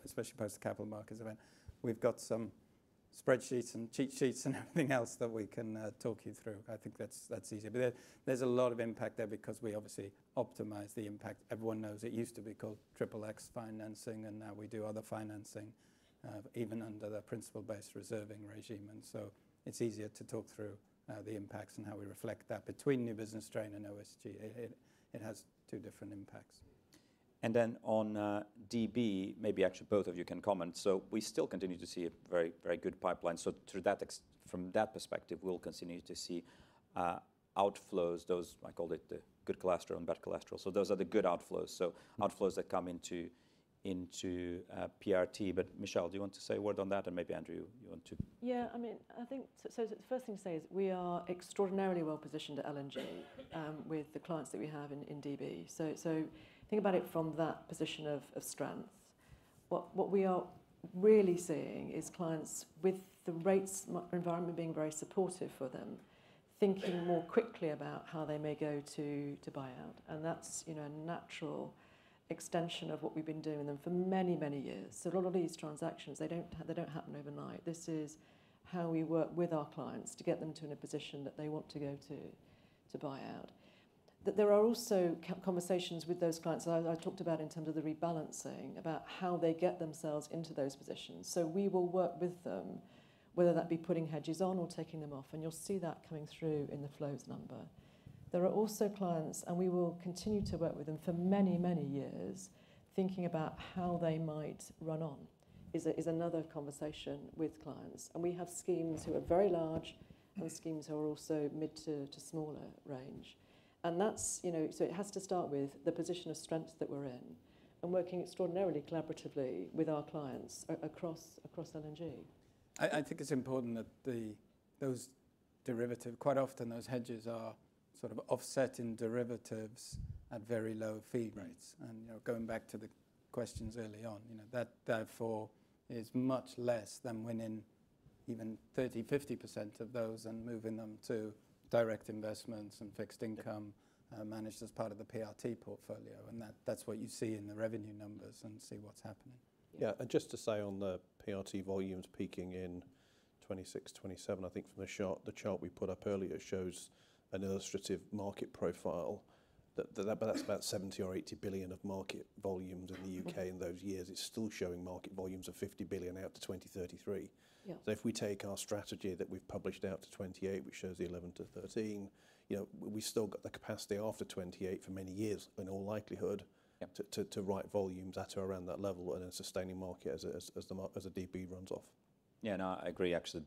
especially post-capital markets. We've got some spreadsheets and cheat sheets and everything else that we can talk you through. I think that's easy. But there's a lot of impact there because we obviously optimize the impact. Everyone knows it used to be called Triple-X Financing, and now we do other financing, even under the principal-based reserving regime. And so it's easier to talk through the impacts and how we reflect that between new business strain and OSG. It has two different impacts. And then on DB, maybe actually both of you can comment. So we still continue to see a very, very good pipeline. So from that perspective, we'll continue to see outflows, those I called it the good cholesterol and bad cholesterol. So those are the good outflows. So outflows that come into PRT. But Michelle, do you want to say a word on that? And maybe Andrew, you want to. Yeah, I mean, I think so the first thing to say is we are extraordinarily well positioned at L&G with the clients that we have in DB. So think about it from that position of strength. What we are really seeing is clients with the rates environment being very supportive for them, thinking more quickly about how they may go to buyout. And that's a natural extension of what we've been doing with them for many, many years. So a lot of these transactions, they don't happen overnight. This is how we work with our clients to get them to a position that they want to go to buyout. There are also conversations with those clients that I talked about in terms of the rebalancing, about how they get themselves into those positions. So we will work with them, whether that be putting hedges on or taking them off. You'll see that coming through in the flows number. There are also clients, and we will continue to work with them for many, many years, thinking about how they might run on, is another conversation with clients. And we have schemes who are very large and schemes who are also mid to smaller range. And that's, you know, so it has to start with the position of strength that we're in and working extraordinarily collaboratively with our clients across L&G. I think it's important that those derivatives, quite often those hedges are sort of offsetting derivatives at very low fee rates. And, you know, going back to the questions early on, you know, that therefore is much less than winning even 30%-50% of those and moving them to direct investments and fixed income managed as part of the PRT portfolio. And that's what you see in the revenue numbers and see what's happening. Yeah, and just to say on the PRT volumes peaking in 2026, 2027, I think from the chart we put up earlier shows an illustrative market profile that that's about 70 billion or 80 billion of market volumes in the U.K. in those years is still showing market volumes of 50 billion out to 2033. So if we take our strategy that we've published out to 2028, which shows the 11-13, you know, we still got the capacity after 2028 for many years in all likelihood to write volumes at or around that level and a sustaining market as a DB runs off. Yeah, no, I agree, actually.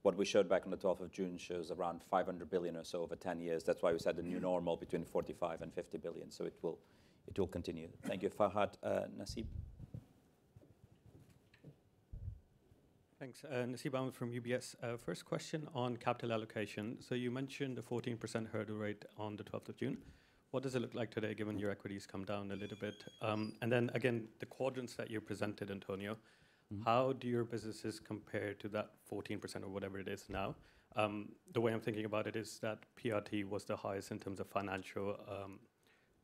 What we showed back on the 12th of June shows around 500 billion or so over 10 years. That's why we said a new normal between 45 billion and 50 billion. So it will continue. Thank you, Fahad. Nasib. Thanks. Nasib Ahmed from UBS. First question on capital allocation. So you mentioned a 14% hurdle rate on the 12th of June. What does it look like today given your equities come down a little bit? And then again, the quadrants that you presented, António, how do your businesses compare to that 14% or whatever it is now? The way I'm thinking about it is that PRT was the highest in terms of financial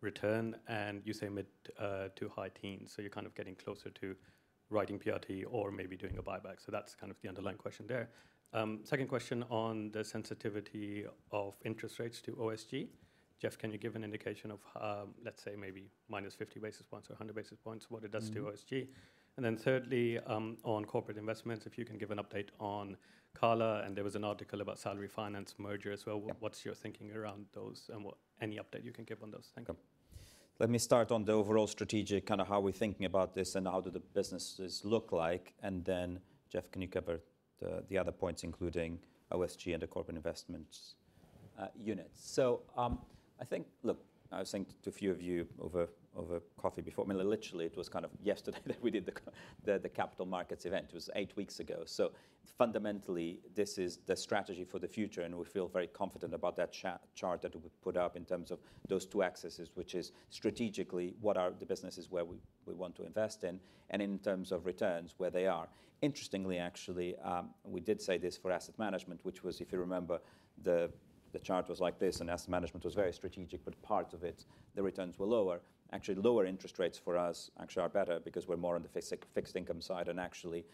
return, and you say mid- to high-teens%. So you're kind of getting closer to writing PRT or maybe doing a buyback. So that's kind of the underlying question there. Second question on the sensitivity of interest rates to OSG. Jeff, can you give an indication of, let's say, maybe minus 50 basis points or 100 basis points, what it does to OSG? And then thirdly, on corporate investments, if you can give an update on Cala, and there was an article about Salary Finance merger as well. What's your thinking around those and any update you can give on those? Thank you. Let me start on the overall strategic, kind of how we're thinking about this and how do the businesses look like. Then, Jeff, can you cover the other points, including OSG and the corporate investment units? So I think, look, I've thanked a few of you over coffee before. I mean, literally, it was kind of yesterday that we did the capital markets event. It was eight weeks ago. So fundamentally, this is the strategy for the future. And we feel very confident about that chart that we put up in terms of those two axes, which is strategically what are the businesses where we want to invest in, and in terms of returns where they are. Interestingly, actually, we did say this for asset management, which was, if you remember, the chart was like this, and asset management was very strategic, but part of it, the returns were lower. Actually, lower interest rates for us actually are better because we're more on the fixed income side. Actually,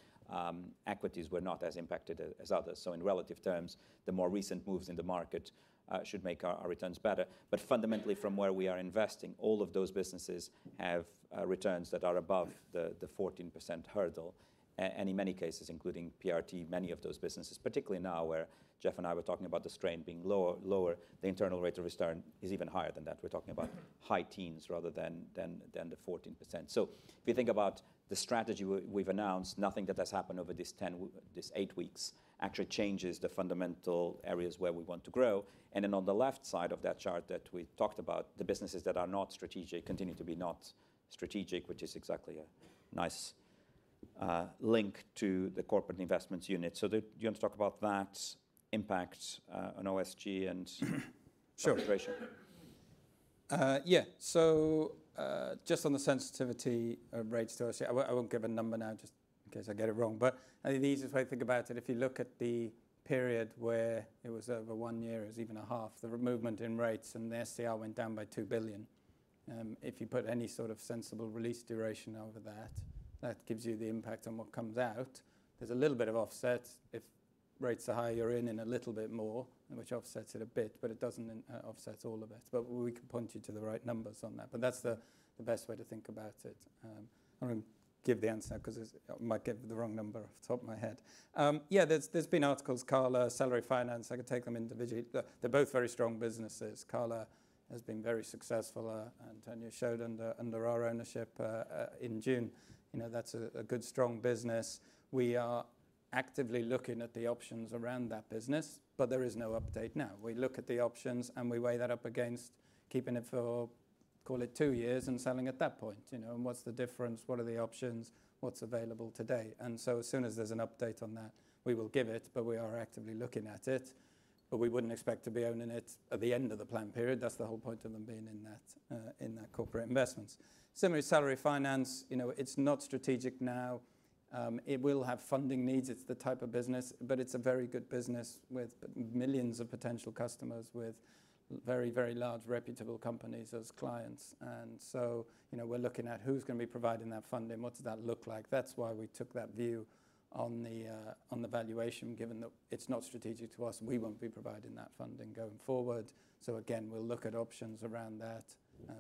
equities were not as impacted as others. So in relative terms, the more recent moves in the market should make our returns better. But fundamentally, from where we are investing, all of those businesses have returns that are above the 14% hurdle. And in many cases, including PRT, many of those businesses, particularly now where Jeff and I were talking about the strain being lower, the internal rate of return is even higher than that. We're talking about high teens rather than the 14%. So if you think about the strategy we've announced, nothing that has happened over these eight weeks actually changes the fundamental areas where we want to grow. And then on the left side of that chart that we talked about, the businesses that are not strategic continue to be not strategic, which is exactly a nice link to the Corporate Investments Unit. So do you want to talk about that impact on OSG and ratios? Sure. Yeah. So just on the sensitivity of rates to OSG, I won't give a number now just in case I get it wrong. But I think the easiest way to think about it, if you look at the period where it was over 1 year or even a half, the movement in rates and the SCR went down by 2 billion. If you put any sort of sensible release duration over that, that gives you the impact on what comes out. There's a little bit of offset. If rates are higher, you're in a little bit more, which offsets it a bit, but it doesn't offset all of it. But we can point you to the right numbers on that. But that's the best way to think about it. I don't give the answer because I might give the wrong number off the top of my head. Yeah, there's been articles, Cala, Salary Finance. I could take them individually. They're both very strong businesses. Cala has been very successful, as António showed under our ownership in June. You know, that's a good, strong business. We are actively looking at the options around that business, but there is no update now. We look at the options and we weigh that up against keeping it for, call it two years and selling at that point. You know, what's the difference? What are the options? What's available today? And so as soon as there's an update on that, we will give it, but we are actively looking at it. But we wouldn't expect to be owning it at the end of the planned period. That's the whole point of them being in that corporate investments. Similarly, Salary Finance, you know, it's not strategic now. It will have funding needs. It's the type of business, but it's a very good business with millions of potential customers, with very, very large reputable companies as clients. And so, you know, we're looking at who's going to be providing that funding. What does that look like? That's why we took that view on the valuation, given that it's not strategic to us. We won't be providing that funding going forward. So again, we'll look at options around that.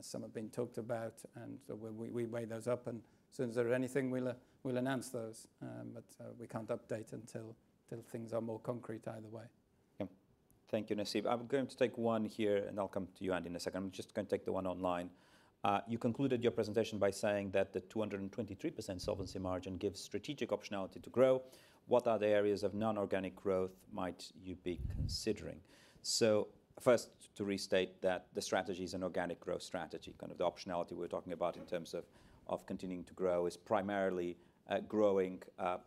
Some have been talked about. And so we weigh those up. And as soon as there are anything, we'll announce those. But we can't update until things are more concrete either way. Yeah. Thank you, Nasib. I'm going to take one here, and I'll come to you, Andy, in a second. I'm just going to take the one online. You concluded your presentation by saying that the 223% solvency margin gives strategic optionality to grow. What are the areas of non-organic growth might you be considering? So first, to restate that the strategy is an organic growth strategy. Kind of the optionality we're talking about in terms of continuing to grow is primarily growing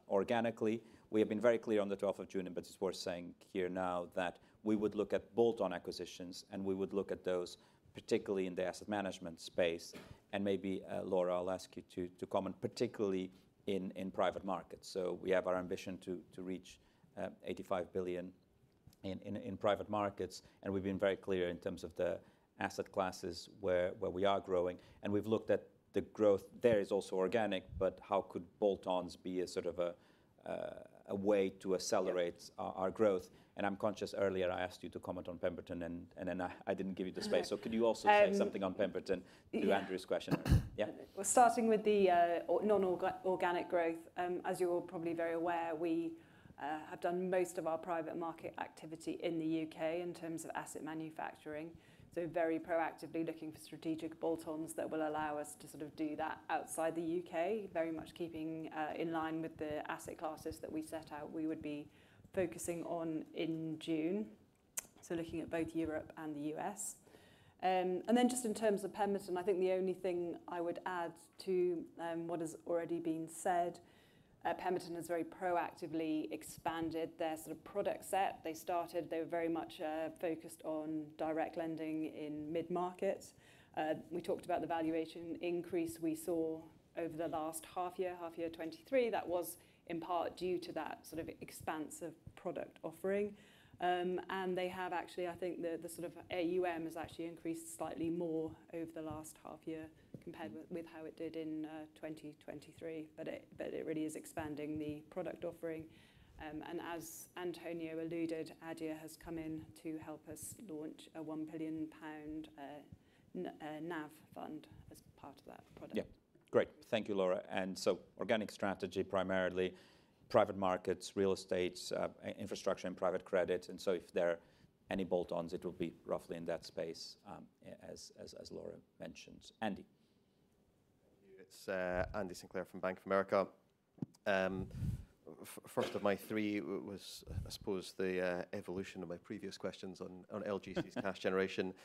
organically. We have been very clear on the 12th of June, but it's worth saying here now that we would look at bolt-on acquisitions, and we would look at those, particularly in the asset management space. And maybe, Laura, I'll ask you to comment, particularly in private markets. So we have our ambition to reach 85 billion in private markets. We've been very clear in terms of the asset classes where we are growing. We've looked at the growth. There is also organic, but how could bolt-ons be a sort of a way to accelerate our growth? I'm conscious earlier I asked you to comment on Pemberton, and then I didn't give you the space. Could you also say something on Pemberton to Andrew's question? Yeah. Well, starting with the non-organic growth, as you're probably very aware, we have done most of our private market activity in the U.K. in terms of asset manufacturing. So very proactively looking for strategic bolt-ons that will allow us to sort of do that outside the U.K., very much keeping in line with the asset classes that we set out we would be focusing on in June. So looking at both Europe and the U.S. And then just in terms of Pemberton, I think the only thing I would add to what has already been said, Pemberton has very proactively expanded their sort of product set. They started, they were very much focused on direct lending in mid-market. We talked about the valuation increase we saw over the last half year, half year 2023. That was in part due to that sort of expansive product offering. They have actually, I think the sort of AUM has actually increased slightly more over the last half year compared with how it did in 2023. But it really is expanding the product offering. And as António alluded, ADIA has come in to help us launch a 1 billion pound NAV fund as part of that product. Yeah. Great. Thank you, Laura. And so organic strategy, primarily private markets, real estate, infrastructure, and private credit. And so if there are any bolt-ons, it will be roughly in that space, as Laura mentioned. Andy. It's Andy Sinclair from Bank of America. First of my three was, I suppose, the evolution of my previous questions on LGC's cash generation.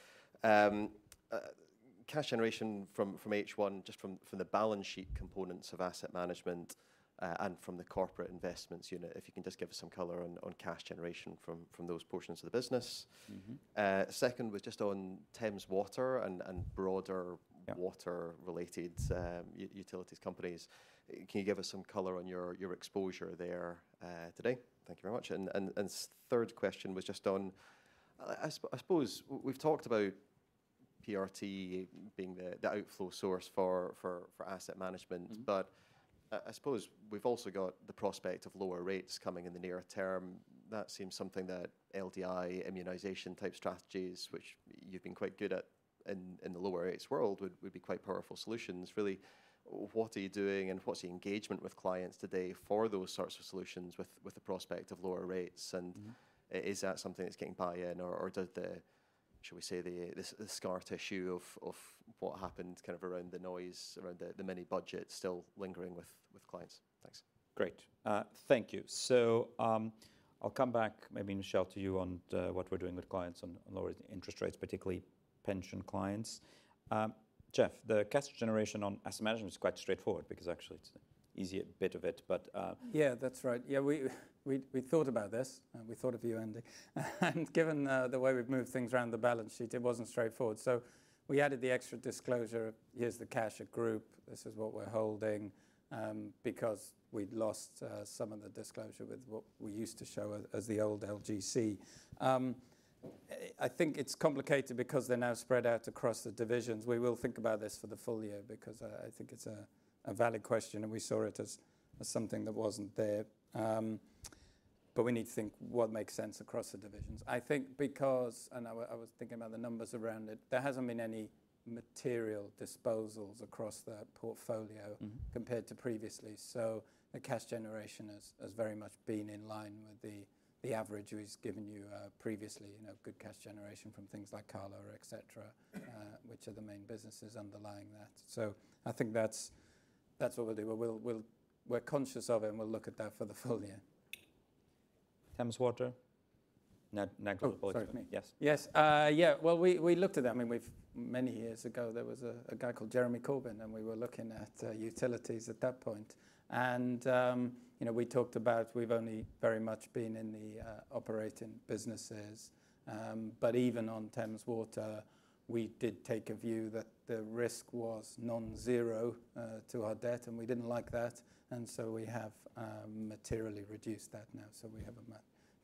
Cash generation from H1, just from the balance sheet components of asset management and from the corporate investments, if you can just give us some color on cash generation from those portions of the business. Second was just on Thames Water and broader water-related utilities companies. Can you give us some color on your exposure there today? Thank you very much. And third question was just on, I suppose we've talked about PRT being the outflow source for asset management, but I suppose we've also got the prospect of lower rates coming in the near term. That seems something that LDI immunization type strategies, which you've been quite good at in the lower rates world, would be quite powerful solutions. Really, what are you doing and what's the engagement with clients today for those sorts of solutions with the prospect of lower rates? And is that something that's getting buy-in or should we say the scar tissue of what happened kind of around the noise, around the mini budget still lingering with clients? Thanks. Great. Thank you. I'll come back maybe in a shell to you on what we're doing with clients on lower interest rates, particularly pension clients. Jeff, the cash generation on asset management is quite straightforward because actually it's an easy bit of it, but. Yeah, that's right. Yeah, we thought about this. We thought of you, Andy. And given the way we've moved things around the balance sheet, it wasn't straightforward. So we added the extra disclosure. Here's the cash at Group. This is what we're holding because we'd lost some of the disclosure with what we used to show as the old LGC. I think it's complicated because they're now spread out across the divisions. We will think about this for the full year because I think it's a valid question and we saw it as something that wasn't there. But we need to think what makes sense across the divisions. I think because, and I was thinking about the numbers around it, there hasn't been any material disposals across the portfolio compared to previously. So the cash generation has very much been in line with the average we've given you previously. Good cash generation from things like Cala or etc., which are the main businesses underlying that. So I think that's what we'll do. We're conscious of it and we'll look at that for the full year. Thames Water? Next apology. Yes. Yes. Yeah. Well, we looked at that. I mean, many years ago, there was a guy called Jeremy Corbyn, and we were looking at utilities at that point. And we talked about we've only very much been in the operating businesses. But even on Thames Water, we did take a view that the risk was non-zero to our debt, and we didn't like that. And so we have materially reduced that now. So we have a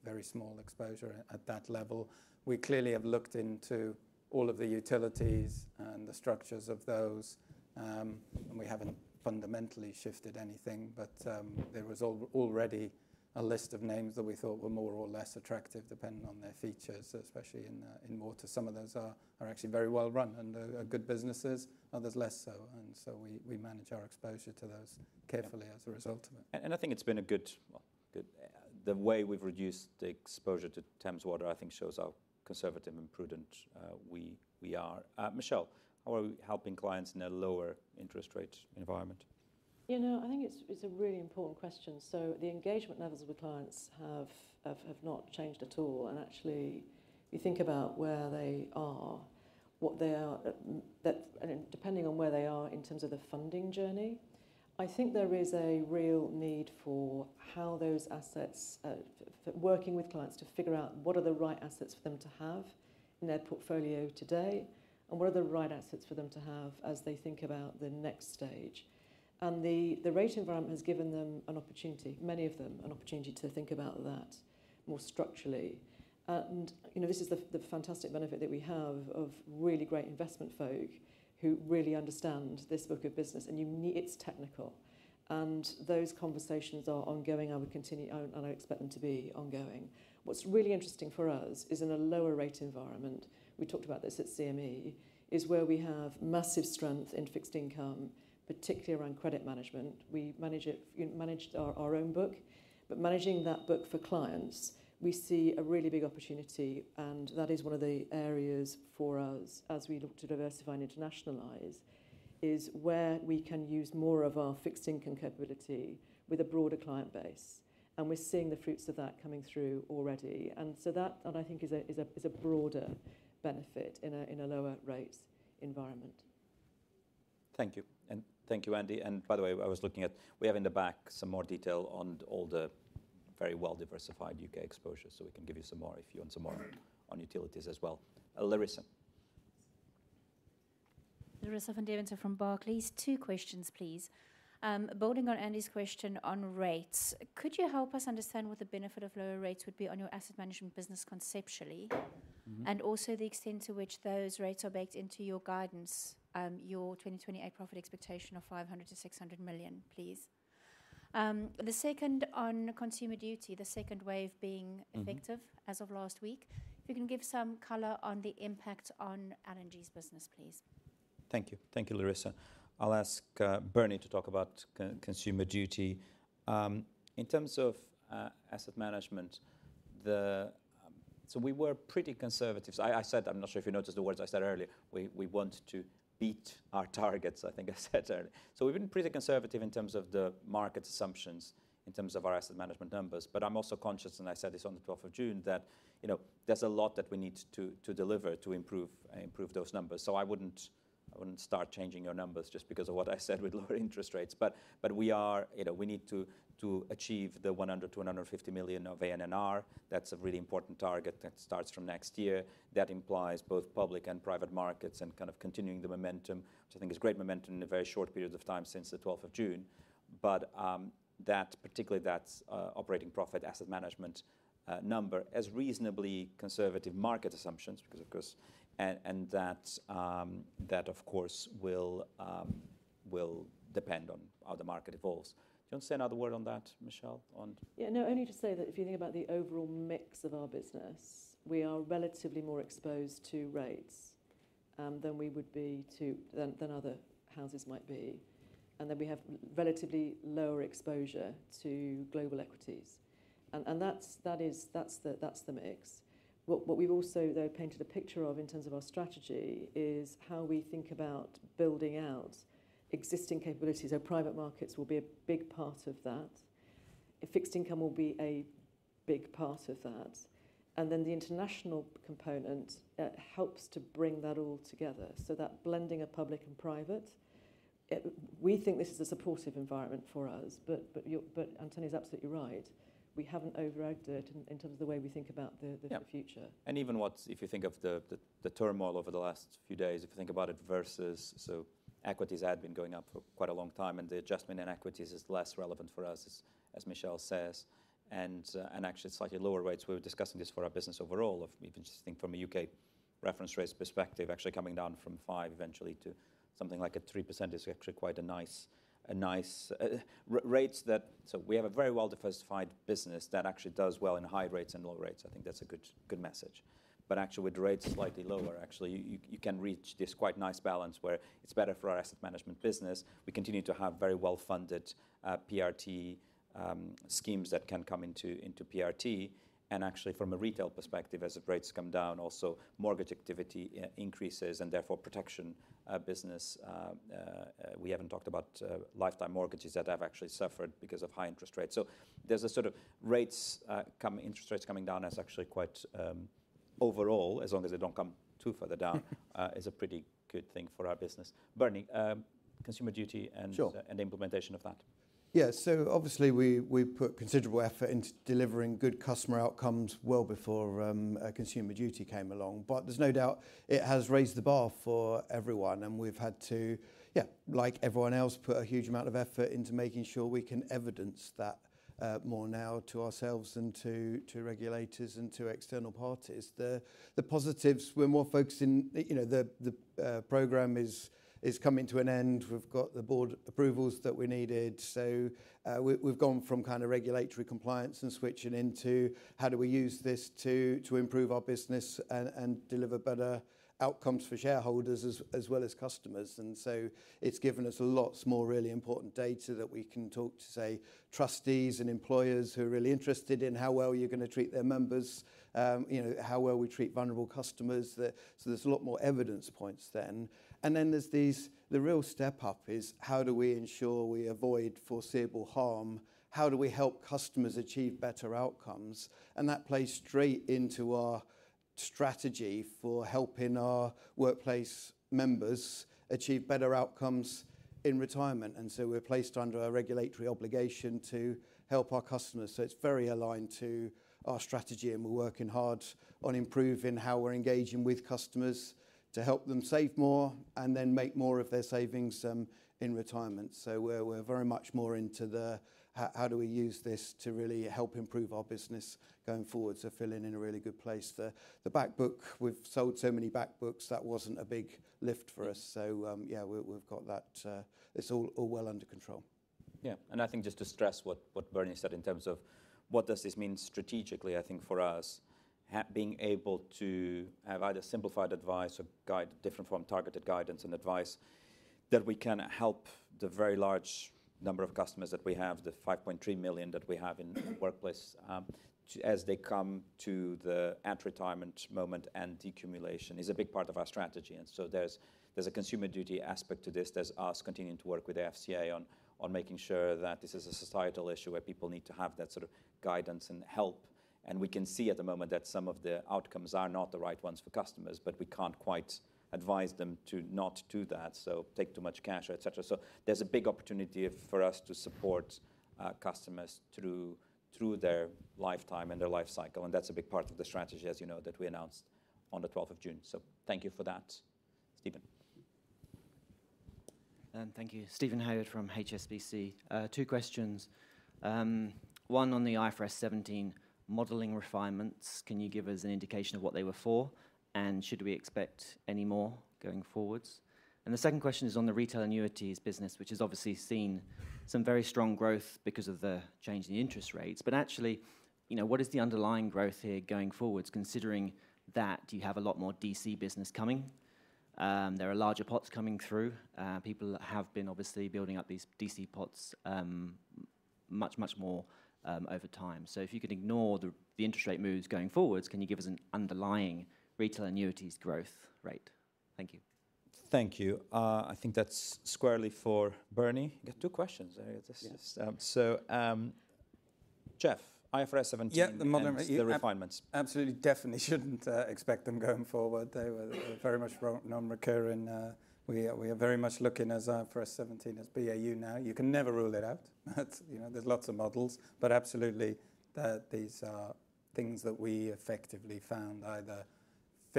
very small exposure at that level. We clearly have looked into all of the utilities and the structures of those, and we haven't fundamentally shifted anything. But there was already a list of names that we thought were more or less attractive depending on their features, especially in water. Some of those are actually very well run and are good businesses. Others less so. We manage our exposure to those carefully as a result of it. I think it's been a good, the way we've reduced the exposure to Thames Water, I think shows how conservative and prudent we are. Michelle, how are we helping clients in a lower interest rate environment? You know, I think it's a really important question. So the engagement levels with clients have not changed at all. And actually, you think about where they are, what they are, depending on where they are in terms of the funding journey, I think there is a real need for how those assets, working with clients to figure out what are the right assets for them to have in their portfolio today, and what are the right assets for them to have as they think about the next stage. And the rate environment has given them an opportunity, many of them, an opportunity to think about that more structurally. And this is the fantastic benefit that we have of really great investment folk who really understand this book of business, and it's technical. And those conversations are ongoing. I would continue, and I expect them to be ongoing. What's really interesting for us is in a lower rate environment, we talked about this at CME, is where we have massive strength in fixed income, particularly around credit management. We manage our own book, but managing that book for clients, we see a really big opportunity. And that is one of the areas for us, as we look to diversify and internationalize, is where we can use more of our fixed income capability with a broader client base. And we're seeing the fruits of that coming through already. And so that, I think, is a broader benefit in a lower rate environment. Thank you. And thank you, Andy. And by the way, I was looking at, we have in the back some more detail on all the very well-diversified U.K. exposures. So we can give you some more if you want some more on utilities as well. Larissa. Larissa van Deventer from Barclays. Two questions, please. Building on Andy's question on rates, could you help us understand what the benefit of lower rates would be on your asset management business conceptually? And also the extent to which those rates are baked into your guidance, your 2028 profit expectation of 500 million-600 million, please. The second on consumer duty, the second wave being effective as of last week. If you can give some color on the impact on L&G's business, please. Thank you. Thank you, Larissa. I'll ask Bernie to talk about consumer duty. In terms of asset management, we were pretty conservative. I said that. I'm not sure if you noticed the words I said earlier. We want to beat our targets, I think I said earlier. We've been pretty conservative in terms of the market assumptions in terms of our asset management numbers. I'm also conscious, and I said this on the 12th of June, that there's a lot that we need to deliver to improve those numbers. I wouldn't start changing your numbers just because of what I said with lower interest rates. We need to achieve the 100 million-150 million of ANNR. That's a really important target that starts from next year. That implies both public and private markets and kind of continuing the momentum, which I think is great momentum in a very short period of time since the 12th of June. But that, particularly that operating profit asset management number, as reasonably conservative market assumptions, because of course, and that of course will depend on how the market evolves. Do you want to say another word on that, Michelle? Yeah, no, only to say that if you think about the overall mix of our business, we are relatively more exposed to rates than we would be to than other houses might be. And then we have relatively lower exposure to global equities. And that's the mix. What we've also painted a picture of in terms of our strategy is how we think about building out existing capabilities. Our private markets will be a big part of that. Fixed income will be a big part of that. And then the international component helps to bring that all together. So that blending of public and private, we think this is a supportive environment for us. But António is absolutely right. We haven't over-egged it in terms of the way we think about the future. And even if you think of the turmoil over the last few days, if you think about it versus so equities had been going up for quite a long time, and the adjustment in equities is less relevant for us, as Michelle says. And actually slightly lower rates. We were discussing this for our business overall, or even just think from a U.K. reference rates perspective, actually coming down from 5% eventually to something like a 3% is actually quite a nice rate. That so we have a very well-diversified business that actually does well in high rates and low rates. I think that's a good message. But actually with rates slightly lower, actually you can reach this quite nice balance where it's better for our asset management business. We continue to have very well-funded PRT schemes that can come into PRT. Actually from a retail perspective, as rates come down, also mortgage activity increases and therefore protection business. We haven't talked about Lifetime Mortgages that have actually suffered because of high interest rates. So there's a sort of rates coming, interest rates coming down is actually quite overall, as long as they don't come too further down, is a pretty good thing for our business. Bernie, consumer duty and implementation of that. Yeah, so obviously we put considerable effort into delivering good customer outcomes well before consumer duty came along. But there's no doubt it has raised the bar for everyone. And we've had to, yeah, like everyone else, put a huge amount of effort into making sure we can evidence that more now to ourselves and to regulators and to external parties. The positives, we're more focusing, the program is coming to an end. We've got the board approvals that we needed. So we've gone from kind of regulatory compliance and switching into how do we use this to improve our business and deliver better outcomes for shareholders as well as customers. And so it's given us lots more really important data that we can talk to, say, trustees and employers who are really interested in how well you're going to treat their members, how well we treat vulnerable customers. So there's a lot more evidence points, then. And then there's these, the real step up is how do we ensure we avoid foreseeable harm? How do we help customers achieve better outcomes? And that plays straight into our strategy for helping our workplace members achieve better outcomes in retirement. And so we're placed under a regulatory obligation to help our customers. So it's very aligned to our strategy and we're working hard on improving how we're engaging with customers to help them save more and then make more of their savings in retirement. So we're very much more into the, how do we use this to really help improve our business going forward? So, feeling in a really good place. The backbook, we've sold so many backbooks, that wasn't a big lift for us. So yeah, we've got that, it's all well under control. Yeah. And I think just to stress what Bernie said in terms of what does this mean strategically, I think for us, being able to have either simplified advice or guide, different form, targeted guidance and advice that we can help the very large number of customers that we have, the 5.3 million that we have in workplace as they come to the at-retirement moment and decumulation is a big part of our strategy. And so there's a consumer duty aspect to this. There's us continuing to work with the FCA on making sure that this is a societal issue where people need to have that sort of guidance and help. And we can see at the moment that some of the outcomes are not the right ones for customers, but we can't quite advise them to not do that, so take too much cash, etc. There's a big opportunity for us to support customers through their lifetime and their life cycle. That's a big part of the strategy, as you know, that we announced on the 12th of June. Thank you for that, Stephen. And thank you, Steven Haywood from HSBC. Two questions. One on the IFRS 17 modeling refinements. Can you give us an indication of what they were for? And should we expect any more going forwards? And the second question is on the retail annuities business, which has obviously seen some very strong growth because of the change in interest rates. But actually, what is the underlying growth here going forwards? Considering that you have a lot more DC business coming, there are larger pots coming through. People have been obviously building up these DC pots much, much more over time. So if you could ignore the interest rate moves going forwards, can you give us an underlying retail annuities growth rate? Thank you. Thank you. I think that's squarely for Bernie. You got two questions. So Jeff, IFRS 17 is the refinements. Absolutely definitely shouldn't expect them going forward. They were very much non-recurring. We are very much looking at IFRS 17 as BAU now. You can never rule it out. There's lots of models, but absolutely these are things that we effectively found either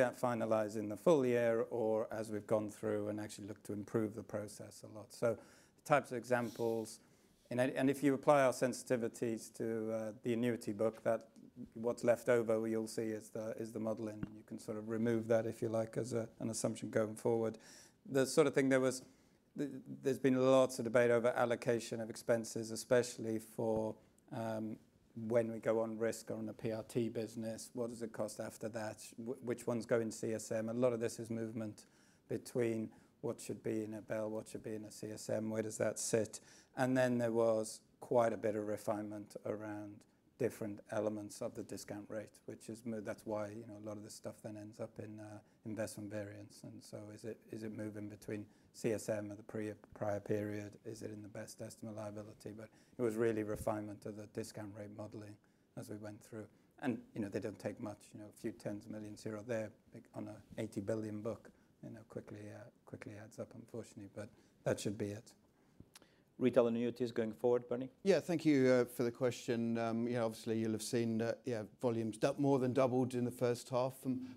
finalized in the full year or as we've gone through and actually looked to improve the process a lot. So the types of examples, and if you apply our sensitivities to the annuity book, that's what's left over you'll see is the modeling. You can sort of remove that if you like as an assumption going forward. The sort of thing there was, there's been lots of debate over allocation of expenses, especially for when we go on risk or on a PRT business, what does it cost after that? Which ones go in CSM? A lot of this is movement between what should be in a BEL, what should be in a CSM, where does that sit? And then there was quite a bit of refinement around different elements of the discount rate, which is that's why a lot of this stuff then ends up in investment variance. And so is it moving between CSM and the prior period? Is it in the best estimate liability? But it was really refinement of the discount rate modeling as we went through. And it doesn't take much, a few tens of millions here or there on a 80 billion book quickly adds up, unfortunately, but that should be it. Retail annuities going forward, Bernie? Yeah, thank you for the question. Obviously, you'll have seen volumes more than doubled in the first half.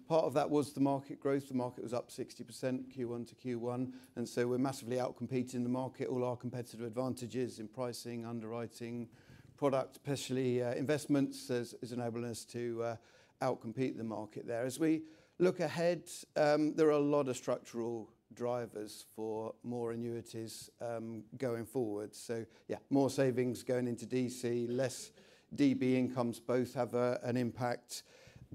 Part of that was the market growth. The market was up 60% Q1 to Q1. And so we're massively outcompeting the market. All our competitive advantages in pricing, underwriting, product, especially investments has enabled us to outcompete the market there. As we look ahead, there are a lot of structural drivers for more annuities going forward. So yeah, more savings going into DC, less DB incomes, both have an impact.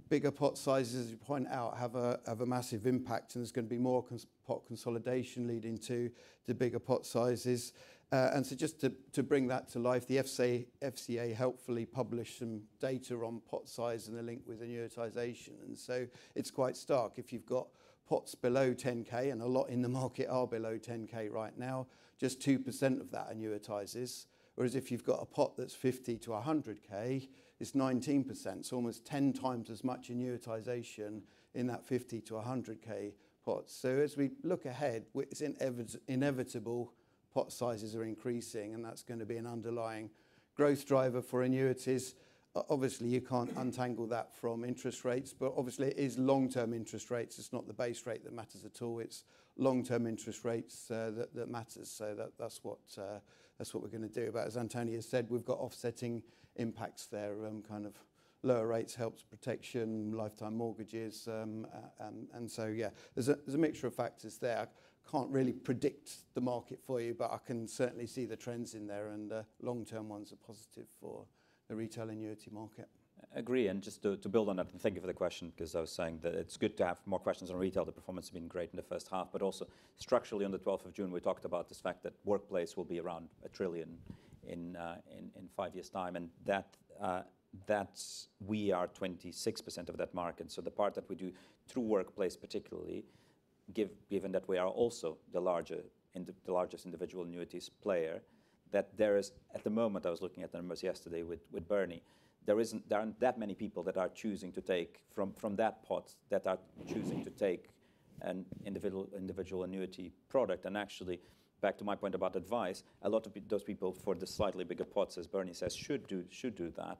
Bigger pot sizes, as you point out, have a massive impact. And there's going to be more pot consolidation leading to the bigger pot sizes. And so just to bring that to life, the FCA helpfully published some data on pot size and a link with annuitization. And so it's quite stark. If you've got pots below 10,000 and a lot in the market are below 10,000 right now, just 2% of that annuitizes. Whereas if you've got a pot that's 50,000-100,000, it's 19%. It's almost 10 times as much annuitization in that 50,000-100,000 pot. So as we look ahead, it's inevitable pot sizes are increasing and that's going to be an underlying growth driver for annuities. Obviously, you can't untangle that from interest rates, but obviously it is long-term interest rates. It's not the base rate that matters at all. It's long-term interest rates that matter. So that's what we're going to do. But as António has said, we've got offsetting impacts there. Kind of lower rates helps protection, Lifetime Mortgages. And so yeah, there's a mixture of factors there. I can't really predict the market for you, but I can certainly see the trends in there. The long-term ones are positive for the retail annuity market. Agree. And just to build on that, and thank you for the question, because I was saying that it's good to have more questions on retail. The performance has been great in the first half, but also structurally on the 12th of June, we talked about this fact that workplace will be around 1 trillion in five years' time. And that's we are 26% of that market. So the part that we do through workplace, particularly, given that we are also the largest individual annuities player, that there is, at the moment, I was looking at the numbers yesterday with Bernie, there aren't that many people that are choosing to take from that pot that are choosing to take an individual annuity product. And actually, back to my point about advice, a lot of those people for the slightly bigger pots, as Bernie says, should do that.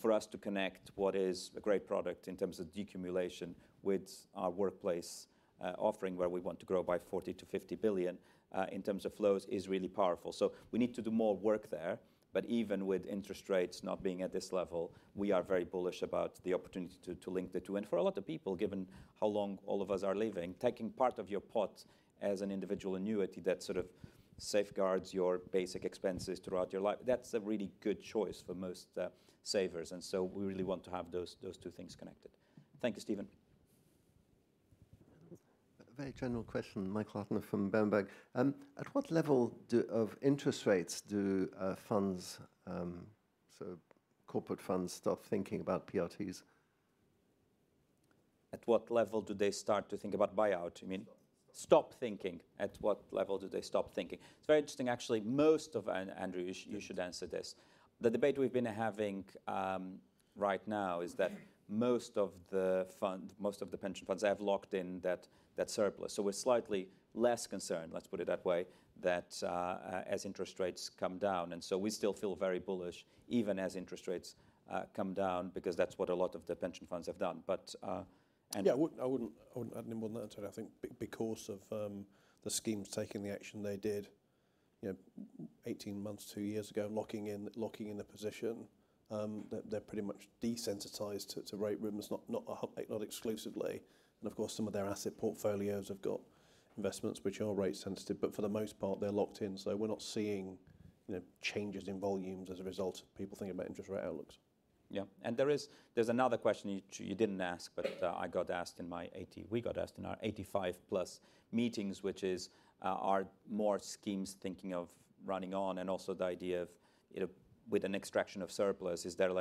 For us to connect what is a great product in terms of decumulation with our workplace offering where we want to grow by 40 billion-50 billion in terms of flows is really powerful. We need to do more work there. Even with interest rates not being at this level, we are very bullish about the opportunity to link the two. For a lot of people, given how long all of us are living, taking part of your pot as an individual annuity that sort of safeguards your basic expenses throughout your life, that's a really good choice for most savers. So we really want to have those two things connected. Thank you, Stephen. Very general question, Michael Huttner from Berenberg. At what level of interest rates do funds, so corporate funds, start thinking about PRTs? At what level do they start to think about buyout? I mean, stop thinking. At what level do they stop thinking? It's very interesting, actually. Most of, Andrew, you should answer this. The debate we've been having right now is that most of the fund, most of the pension funds have locked in that surplus. So we're slightly less concerned, let's put it that way, that as interest rates come down. And so we still feel very bullish even as interest rates come down because that's what a lot of the pension funds have done. But. Yeah, I wouldn't answer that. I think because of the schemes taking the action they did 18 months, two years ago, locking in a position, they're pretty much desensitized to rate rumors, not exclusively. And of course, some of their asset portfolios have got investments which are rate sensitive, but for the most part, they're locked in. So we're not seeing changes in volumes as a result of people thinking about interest rate outlooks. Yeah. And there's another question you didn't ask, but I got asked in my 80. We got asked in our 85+ meetings, which is, are more schemes thinking of running on? And also the idea of with an extraction of surplus, is there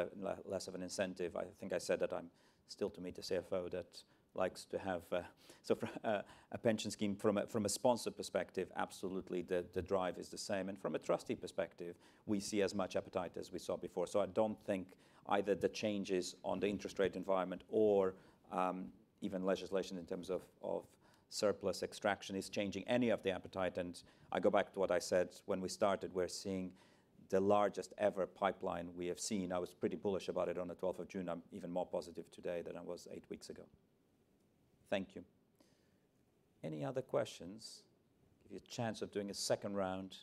less of an incentive? I think I said that I'm still to meet a CFO that likes to have a pension scheme from a sponsor perspective. Absolutely, the drive is the same. And from a trustee perspective, we see as much appetite as we saw before. So I don't think either the changes on the interest rate environment or even legislation in terms of surplus extraction is changing any of the appetite. And I go back to what I said when we started. We're seeing the largest ever pipeline we have seen. I was pretty bullish about it on the 12th of June. I'm even more positive today than I was eight weeks ago. Thank you. Any other questions? Give you a chance of doing a second round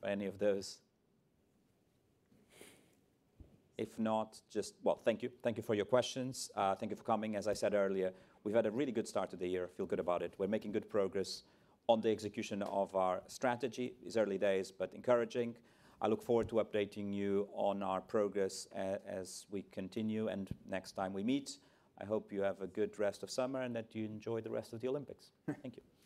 for any of those. If not, just, well, thank you. Thank you for your questions. Thank you for coming. As I said earlier, we've had a really good start to the year. I feel good about it. We're making good progress on the execution of our strategy. It's early days, but encouraging. I look forward to updating you on our progress as we continue. Next time we meet, I hope you have a good rest of summer and that you enjoy the rest of the Olympics. Thank you.